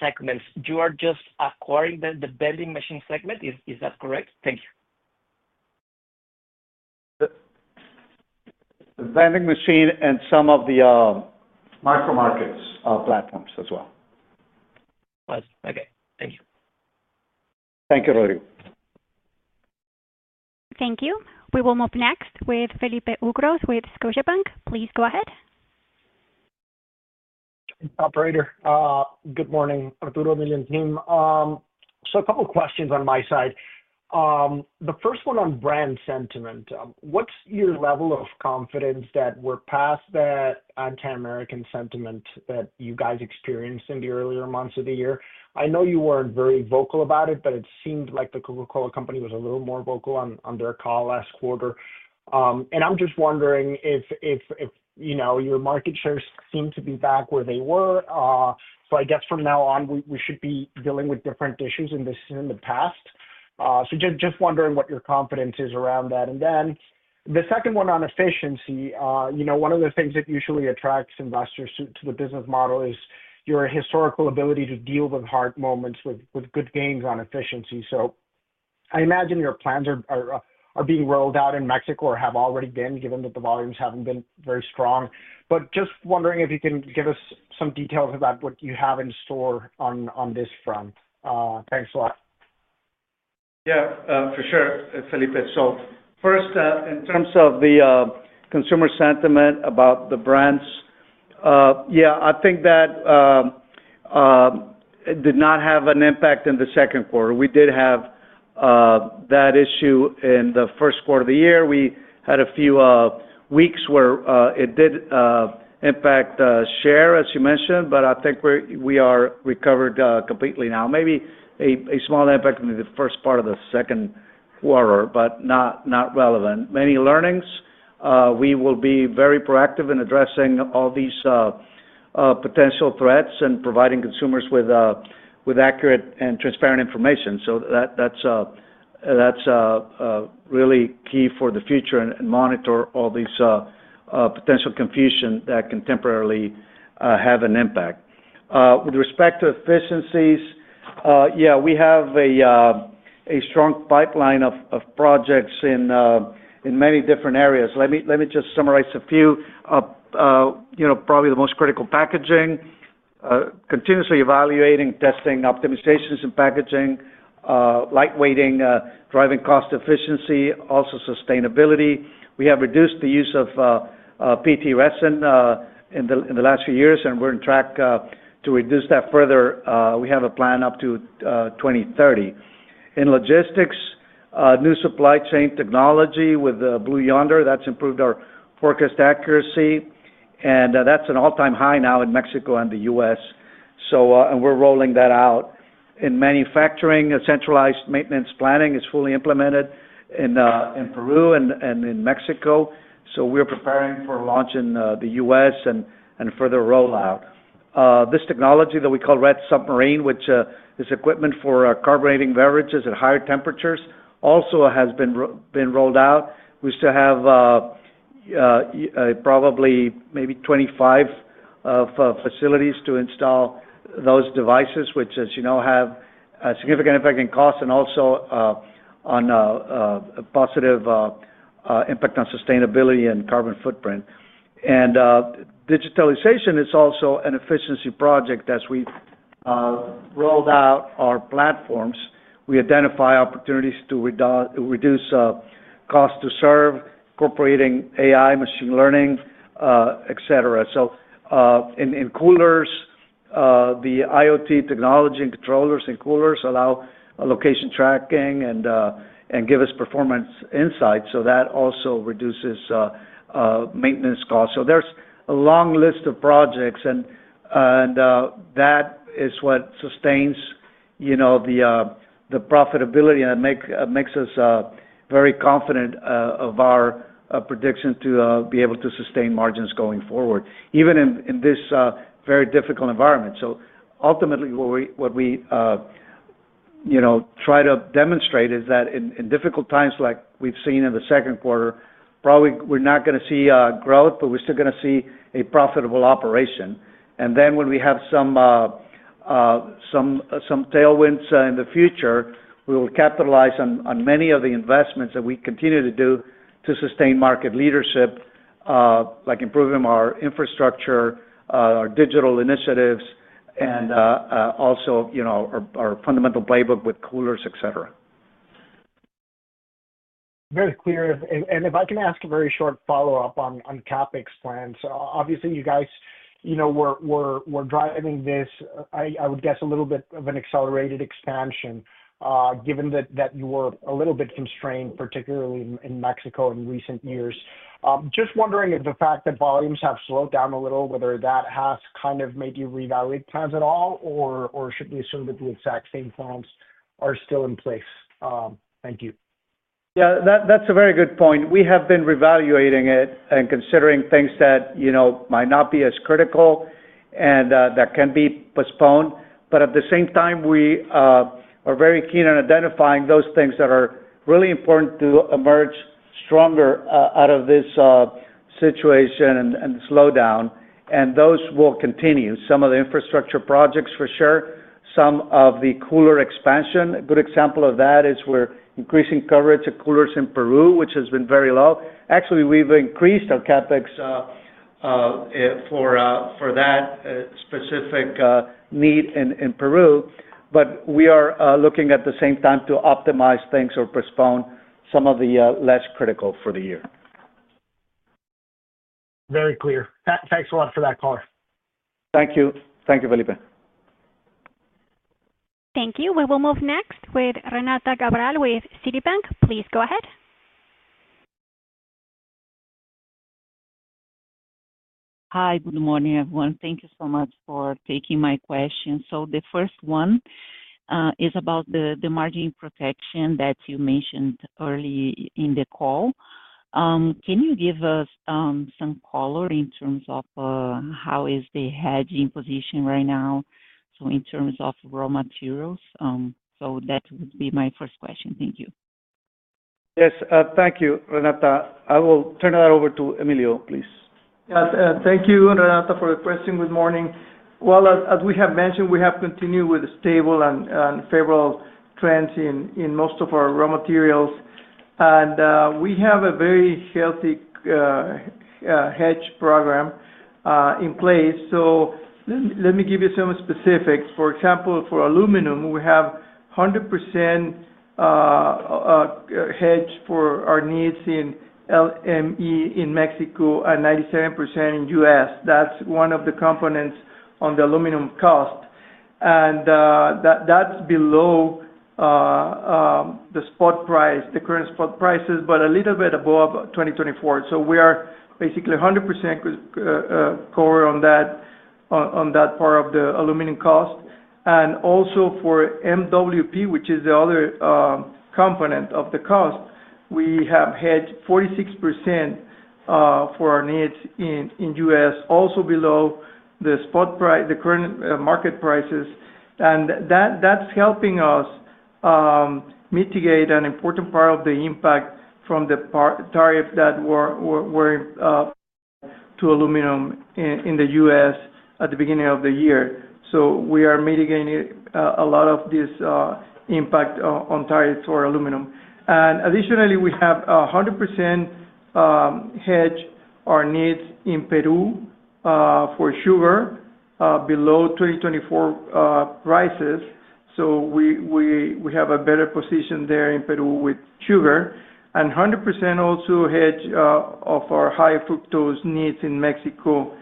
segments. You are just acquiring the vending machine segment. Is that correct? Thank you. The vending machine and some of the micro markets platforms as well. Awesome. Okay. Thank you. Thank you, Rodrigo. Thank you. We will move next with Felipe Ucros with Scotiabank. Please go ahead. Operator. Good morning, Arturo, Emilio, and team. So a couple of questions on my side. The first one on brand sentiment. What's your level of confidence that we're past that anti-American sentiment that you guys experienced in the earlier months of the year? I know you weren't very vocal about it, but it seemed like the Coca-Cola Company was a little more vocal on their call last quarter. And I'm just wondering if your market shares seem to be back where they were. So I guess from now on, we should be dealing with different issues in the past. So just wondering what your confidence is around that. And then the second one on efficiency. One of the things that usually attracts investors to the business model is your historical ability to deal with hard moments with good gains on efficiency. So I imagine your plans are being rolled out in Mexico or have already been, given that the volumes haven't been very strong. But just wondering if you can give us some details about what you have in store on this front. Thanks a lot. Yeah. For sure, Felipe. So first, in terms of the consumer sentiment about the brands. Yeah, I think that it did not have an impact in the second quarter. We did have that issue in the first quarter of the year. We had a few weeks where it did impact share, as you mentioned, but I think we are recovered completely now. Maybe a small impact in the first part of the second quarter, but not relevant. Many learnings. We will be very proactive in addressing all these potential threats and providing consumers with accurate and transparent information. So that's really key for the future and monitor all these potential confusion that can temporarily have an impact. With respect to efficiencies. Yeah, we have a strong pipeline of projects in many different areas. Let me just summarize a few. Probably the most critical: packaging. Continuously evaluating, testing, optimizations in packaging. Lightweighting, driving cost efficiency, also sustainability. We have reduced the use of PET resin in the last few years, and we're on track to reduce that further. We have a plan up to 2030. In logistics, new supply chain technology with Blue Yonder, that's improved our forecast accuracy. And that's an all-time high now in Mexico and the U.S. And we're rolling that out. In manufacturing, centralized maintenance planning is fully implemented in Peru and in Mexico. So we're preparing for launch in the U.S. and further rollout. This technology that we call Red Submarine, which is equipment for carbonating beverages at higher temperatures, also has been rolled out. We still have probably maybe 25. Facilities to install those devices, which, as you know, have a significant impact in cost and also on a positive impact on sustainability and carbon footprint. And digitalization is also an efficiency project as we rolled out our platforms. We identify opportunities to reduce cost to serve, incorporating AI, machine learning, etc. So in coolers the IoT technology and controllers in coolers allow location tracking and give us performance insights. So that also reduces maintenance costs. So there's a long list of projects, and that is what sustains the profitability and makes us very confident of our prediction to be able to sustain margins going forward, even in this very difficult environment. So ultimately, what we try to demonstrate is that in difficult times like we've seen in the second quarter, probably we're not going to see growth, but we're still going to see a profitable operation. And then when we have some tailwinds in the future, we will capitalize on many of the investments that we continue to do to sustain market leadership. Like improving our infrastructure, our digital initiatives, and also our fundamental playbook with coolers, etc. Very clear. And if I can ask a very short follow-up on CapEx plans. Obviously, you guys were driving this, I would guess, a little bit of an accelerated expansion, given that you were a little bit constrained, particularly in Mexico in recent years. Just wondering if the fact that volumes have slowed down a little, whether that has kind of made you reevaluate plans at all, or should we assume that the exact same plans are still in place? Thank you. Yeah. That's a very good point. We have been reevaluating it and considering things that might not be as critical. And that can be postponed. But at the same time, we are very keen on identifying those things that are really important to emerge stronger out of this situation and slowdown. And those will continue. Some of the infrastructure projects, for sure. Some of the cooler expansion. A good example of that is we're increasing coverage of coolers in Peru, which has been very low. Actually, we've increased our CapEx for that specific need in Peru. But we are looking at the same time to optimize things or postpone some of the less critical for the year. Very clear. Thanks a lot for that call. Thank you. Thank you, Felipe. Thank you. We will move next with Renata Cabral with Citibank. Please go ahead. Hi. Good morning, everyone. Thank you so much for taking my questions. So the first one is about the margin protection that you mentioned early in the call. Can you give us some color in terms of how is the hedging position right now, so in terms of raw materials? So that would be my first question. Thank you. Yes. Thank you, Renata. I will turn it over to Emilio, please. Yes. Thank you, Renata, for the question. Good morning. Well, as we have mentioned, we have continued with stable and favorable trends in most of our raw materials. And we have a very healthy hedge program in place. So let me give you some specifics. For example, for aluminum, we have 100% hedge for our needs in LME in Mexico and 97% in U.S. That's one of the components on the aluminum cost. And that's below the current spot prices, but a little bit above 2024. So we are basically 100% cover on that part of the aluminum cost. And also for MWP, which is the other component of the cost, we have hedged 46% for our needs in U.S., also below the current market prices. And that's helping us mitigate an important part of the impact from the tariff that we're imposing to aluminum in the U.S. at the beginning of the year. So we are mitigating a lot of this impact on tariffs for aluminum. And additionally, we have 100% hedged our needs in Peru for sugar below 2024 prices. So we have a better position there in Peru with sugar. And 100% also hedged of our high fructose needs in Mexico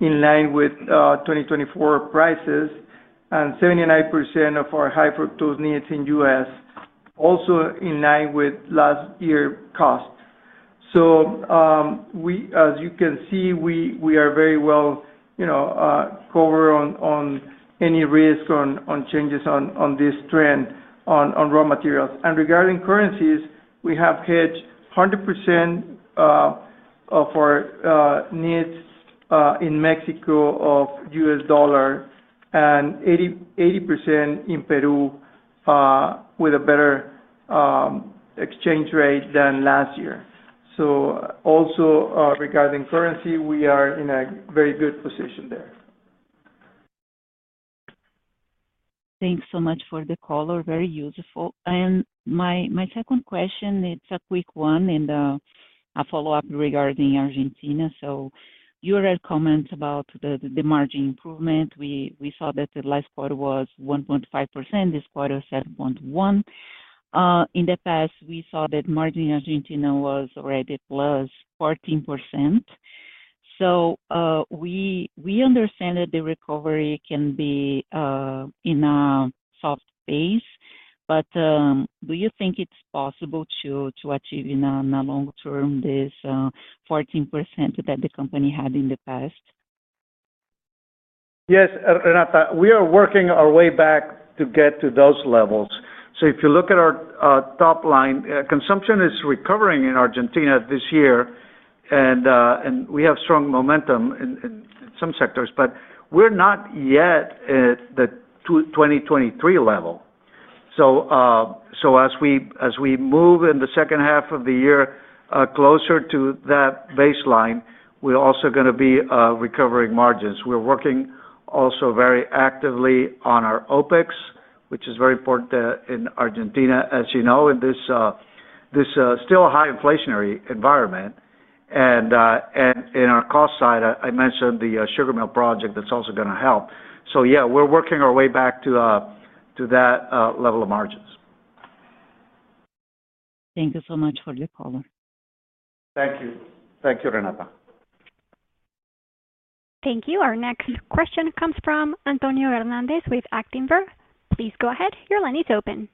in line with 2024 prices. And 79% of our high fructose needs in U.S. also in line with last year's cost. So as you can see, we are very well covered on any risk on changes on this trend on raw materials. And regarding currencies, we have hedged 100% of our needs in Mexico of U.S. dollar and 80% in Peru with a better exchange rate than last year. So also regarding currency, we are in a very good position there. Thanks so much for the call. Very useful. And my second question, it's a quick one and a follow-up regarding Argentina. So you already commented about the margin improvement. We saw that the last quarter was 1.5%. This quarter was 7.1%. In the past, we saw that margin in Argentina was already plus 14%. So we understand that the recovery can be in a soft phase. But do you think it's possible to achieve in the long term this 14% that the company had in the past? Yes, Renata. We are working our way back to get to those levels. So if you look at our top line, consumption is recovering in Argentina this year, and we have strong momentum in some sectors. But we're not yet at the 2023 level. So as we move in the second half of the year closer to that baseline, we're also going to be recovering margins. We're working also very actively on our OPEX, which is very important in Argentina, as you know, in this still high inflationary environment. And in our cost side, I mentioned the sugar mill project that's also going to help. So yeah, we're working our way back to that level of margins. Thank you so much for the call. Thank you. Thank you, Renata. Thank you. Our next question comes from Antonio Hernández with Actinver. Please go ahead. Your line is open.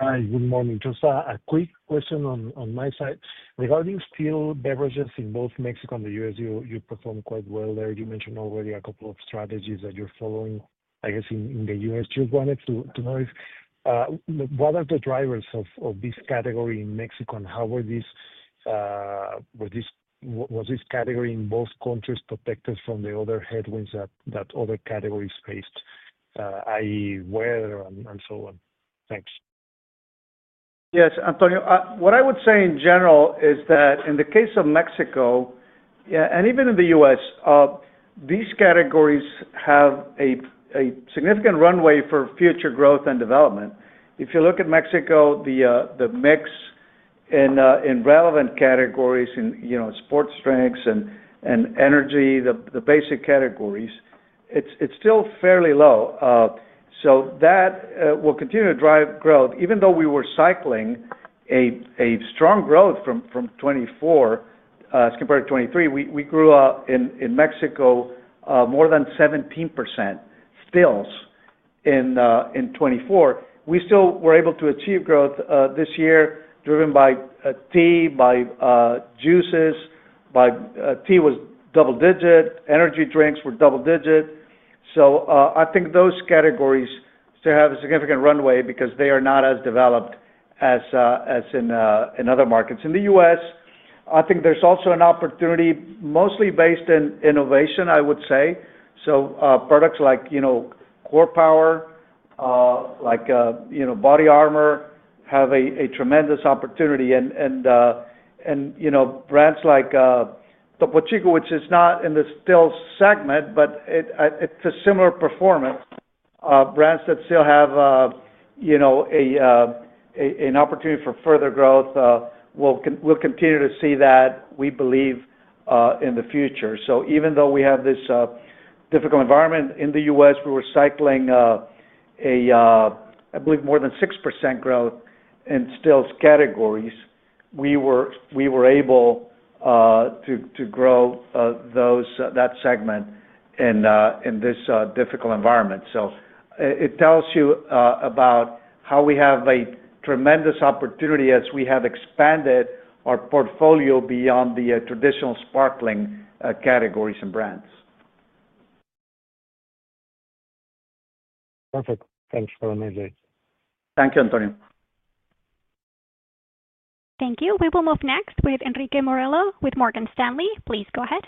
Hi. Good morning. Just a quick question on my side. Regarding still beverages in both Mexico and the U.S., you perform quite well there. You mentioned already a couple of strategies that you're following, I guess, in the U.S. Just wanted to know. What are the drivers of this category in Mexico? And how was this category in both countries protected from the other headwinds that other categories faced. I.e., weather and so on? Thanks. Yes. Antonio, what I would say in general is that in the case of Mexico. And even in the U.S. These categories have a significant runway for future growth and development. If you look at Mexico, the mix. In relevant categories in sports, stills and energy, the basic categories, it's still fairly low. So that will continue to drive growth. Even though we were cycling. A strong growth from 2024. As compared to 2023, we grew in Mexico more than 17%. Stills in 2024. We still were able to achieve growth this year, driven by tea, by juices. Tea was double-digit. Energy drinks were double-digit. So I think those categories still have a significant runway because they are not as developed as. In other markets. In the U.S., I think there's also an opportunity, mostly based in innovation, I would say. So products like. Core Power. Like BodyArmor, have a tremendous opportunity. And. Brands like. Topo Chico, which is not in the stills segment, but it's a similar performance. Brands that still have. An opportunity for further growth. We'll continue to see that, we believe, in the future. So even though we have this difficult environment in the U.S., we were cycling. I believe, more than 6% growth in stills categories. We were able. To grow that segment. In this difficult environment. So it tells you about how we have a tremendous opportunity as we have expanded our portfolio beyond the traditional sparkling categories and brands. Perfect. Thanks for that. Thank you, Antonio. Thank you. We will move next with Henrique Morello with Morgan Stanley. Please go ahead.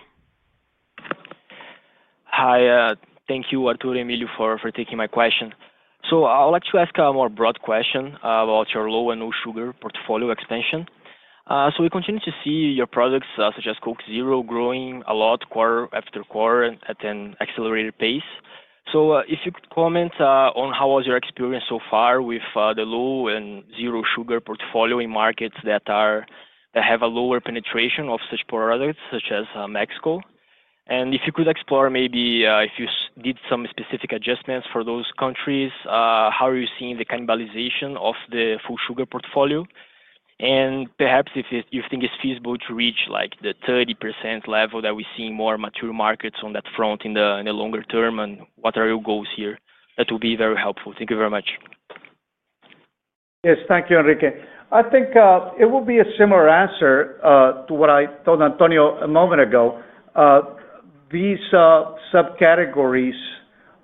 Hi. Thank you, Arturo Emilio, for taking my question. So I'll actually ask a more broad question about your low and no sugar portfolio expansion. So we continue to see your products, such as Coke Zero, growing a lot quarter after quarter at an accelerated pace. So if you could comment on how was your experience so far with the low and zero sugar portfolio in markets that. Have a lower penetration of such products, such as Mexico. And if you could explore maybe if you did some specific adjustments for those countries, how are you seeing the cannibalization of the full sugar portfolio? And perhaps if you think it's feasible to reach the 30% level that we see more mature markets on that front in the longer term, and what are your goals here, that would be very helpful? Thank you very much. Yes. Thank you, Enrique. I think it will be a similar answer to what I told Antonio a moment ago. These subcategories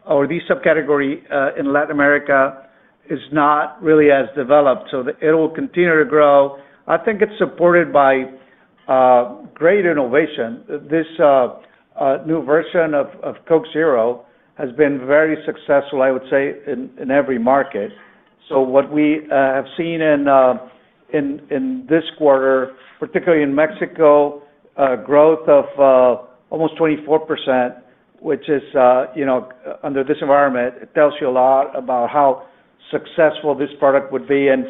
in Latin America are not really as developed. So it will continue to grow. I think it's supported by great innovation. This new version of Coke Zero has been very successful, I would say, in every market. So what we have seen in this quarter, particularly in Mexico, growth of almost 24%, which is under this environment, it tells you a lot about how successful this product would be. And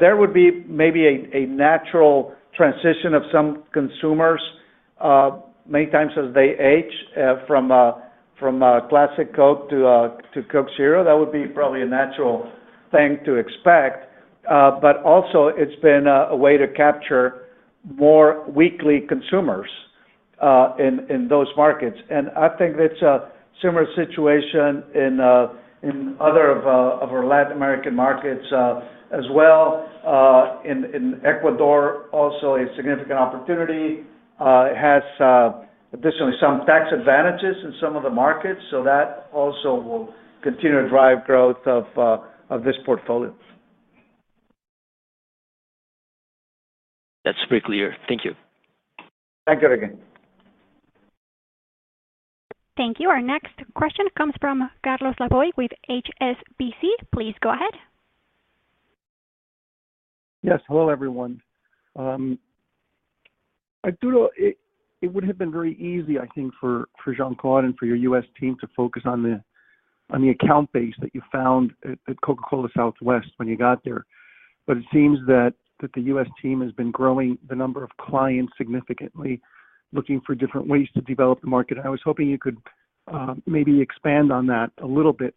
there would be maybe a natural transition of some consumers. Many times as they age from Classic Coke to Coke Zero. That would be probably a natural thing to expect. But also, it's been a way to capture more weekly consumers in those markets. And I think it's a similar situation in other of our Latin American markets as well. In Ecuador, also a significant opportunity. It has additionally some tax advantages in some of the markets. So that also will continue to drive growth of this portfolio. That's very clear. Thank you. Thank you again. Thank you. Our next question comes from Carlos Laboy with HSBC. Please go ahead. Yes. Hello, everyone. Arturo, it would have been very easy, I think, for Jean-Claude and for your U.S. team to focus on the account base that you found at Coca-Cola Southwest when you got there. But it seems that the U.S. team has been growing the number of clients significantly, looking for different ways to develop the market. And I was hoping you could maybe expand on that a little bit.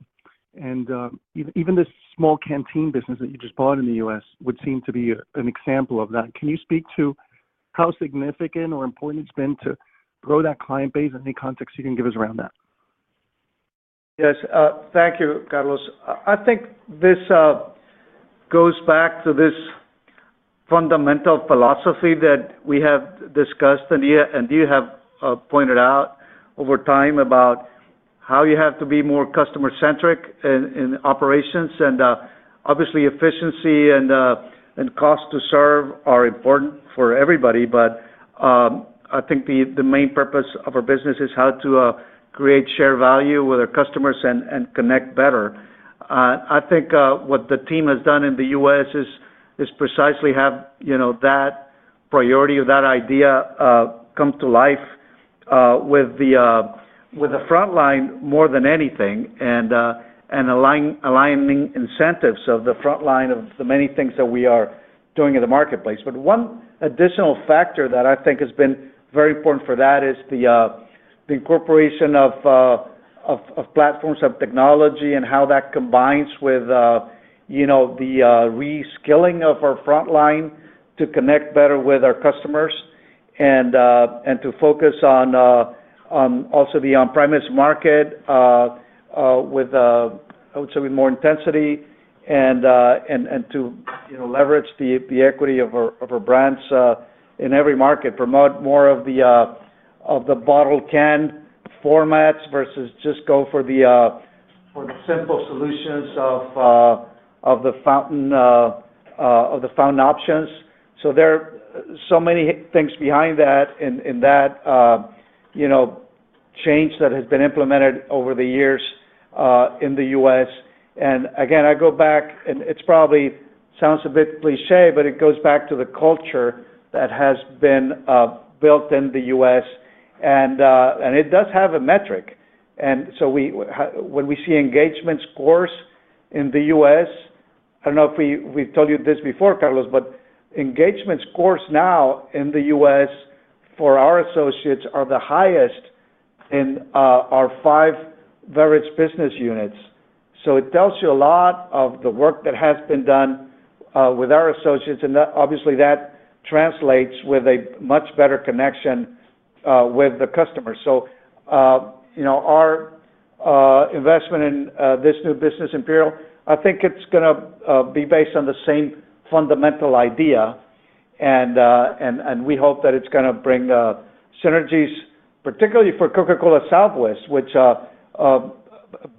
And even the small canteen business that you just bought in the U.S. would seem to be an example of that. Can you speak to how significant or important it's been to grow that client base? Any context you can give us around that? Yes. Thank you, Carlos. I think this goes back to this fundamental philosophy that we have discussed and you have pointed out over time about how you have to be more customer-centric in operations. And obviously, efficiency and cost to serve are important for everybody. But I think the main purpose of our business is how to create share value with our customers and connect better. I think what the team has done in the U.S. is precisely have that priority or that idea come to life with the front line more than anything and aligning incentives of the front line of the many things that we are doing in the marketplace. But one additional factor that I think has been very important for that is the incorporation of platforms of technology and how that combines with the. Reskilling of our front line to connect better with our customers and to focus on also the on-premise market with, I would say, with more intensity and to leverage the equity of our brands in every market, promote more of the bottle can formats versus just go for the simple solutions of the fountain options. So there are so many things behind that in that change that has been implemented over the years in the U.S. And again, I go back, and it probably sounds a bit cliché, but it goes back to the culture that has been built in the U.S. And it does have a metric. And so when we see engagement scores in the U.S., I don't know if we've told you this before, Carlos, but engagement scores now in the U.S. for our associates are the highest in our five beverage business units. So it tells you a lot of the work that has been done with our associates. And obviously, that translates with a much better connection with the customers. So our investment in this new business Imperial, I think it's going to be based on the same fundamental idea. And we hope that it's going to bring synergies, particularly for Coca-Cola Southwest, which a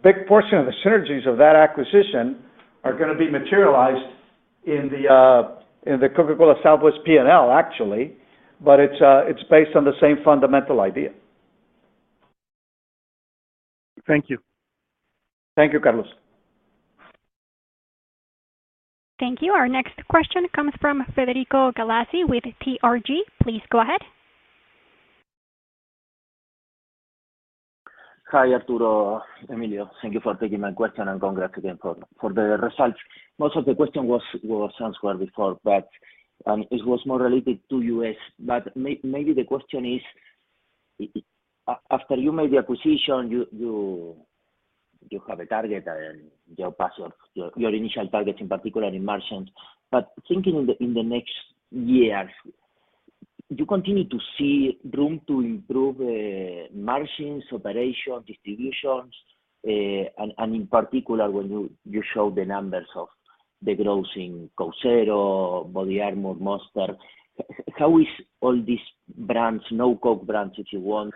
big portion of the synergies of that acquisition are going to be materialized in the Coca-Cola Southwest P&L, actually. But it's based on the same fundamental idea. Thank you. Thank you, Carlos. Thank you. Our next question comes from Federico Galassi with TRG. Please go ahead. Hi, Arturo Emilio. Thank you for taking my question and congrats again for the results. Most of the questions were answered before, but it was more related to U.S. But maybe the question is after you made the acquisition, you have a target and your initial targets in particular in margins. But thinking in the next year, do you continue to see room to improve margins, operations, distributions? And in particular, when you show the numbers of the growth in Coke Zero, BodyArmor, and Monster, how is all these brands, no-coke brands if you want,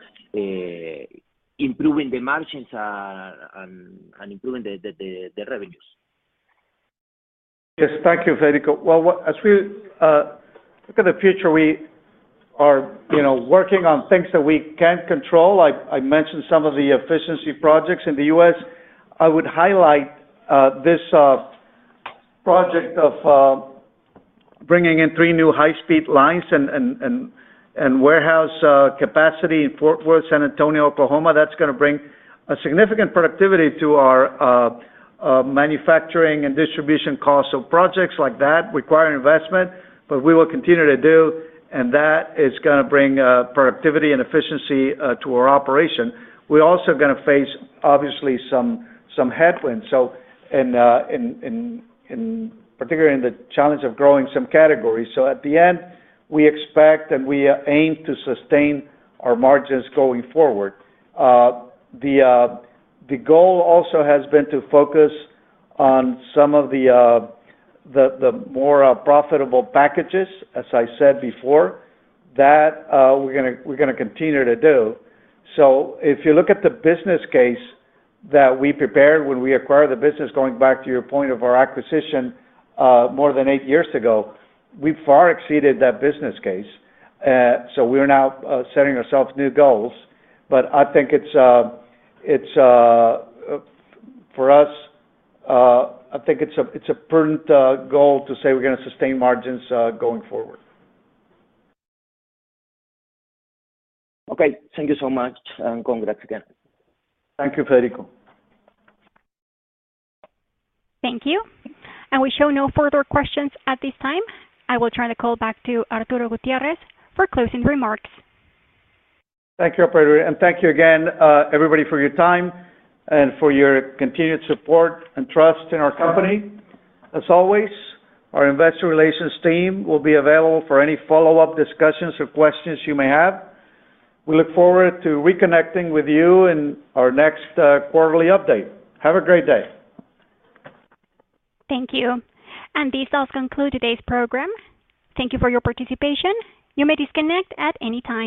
improving the margins and improving the revenues? Yes. Thank you, Federico. Well, as we look at the future, we are working on things that we can't control. I mentioned some of the efficiency projects in the U.S. I would highlight this project of bringing in three new high-speed lines and warehouse capacity in Fort Worth, San Antonio, Oklahoma. That's going to bring significant productivity to our manufacturing and distribution costs of projects like that require investment. But we will continue to do, and that is going to bring productivity and efficiency to our operation. We're also going to face, obviously, some headwinds and particularly in the challenge of growing some categories. So at the end, we expect and we aim to sustain our margins going forward. The goal also has been to focus on some of the. More profitable packages, as I said before, that we're going to continue to do. So if you look at the business case that we prepared when we acquired the business, going back to your point of our acquisition. More than eight years ago, we far exceeded that business case. So we're now setting ourselves new goals. But I think it's for us. I think it's a prudent goal to say we're going to sustain margins going forward. Okay. Thank you so much. And congrats again. Thank you, Federico. Thank you. And we have no further questions at this time. I will turn the call back to Arturo Gutiérrez for closing remarks. Thank you, Arturo. And thank you again, everybody, for your time and for your continued support and trust in our company. As always, our investor relations team will be available for any follow-up discussions or questions you may have. We look forward to reconnecting with you in our next quarterly update. Have a great day. Thank you. And this does conclude today's program. Thank you for your participation. You may disconnect at any time.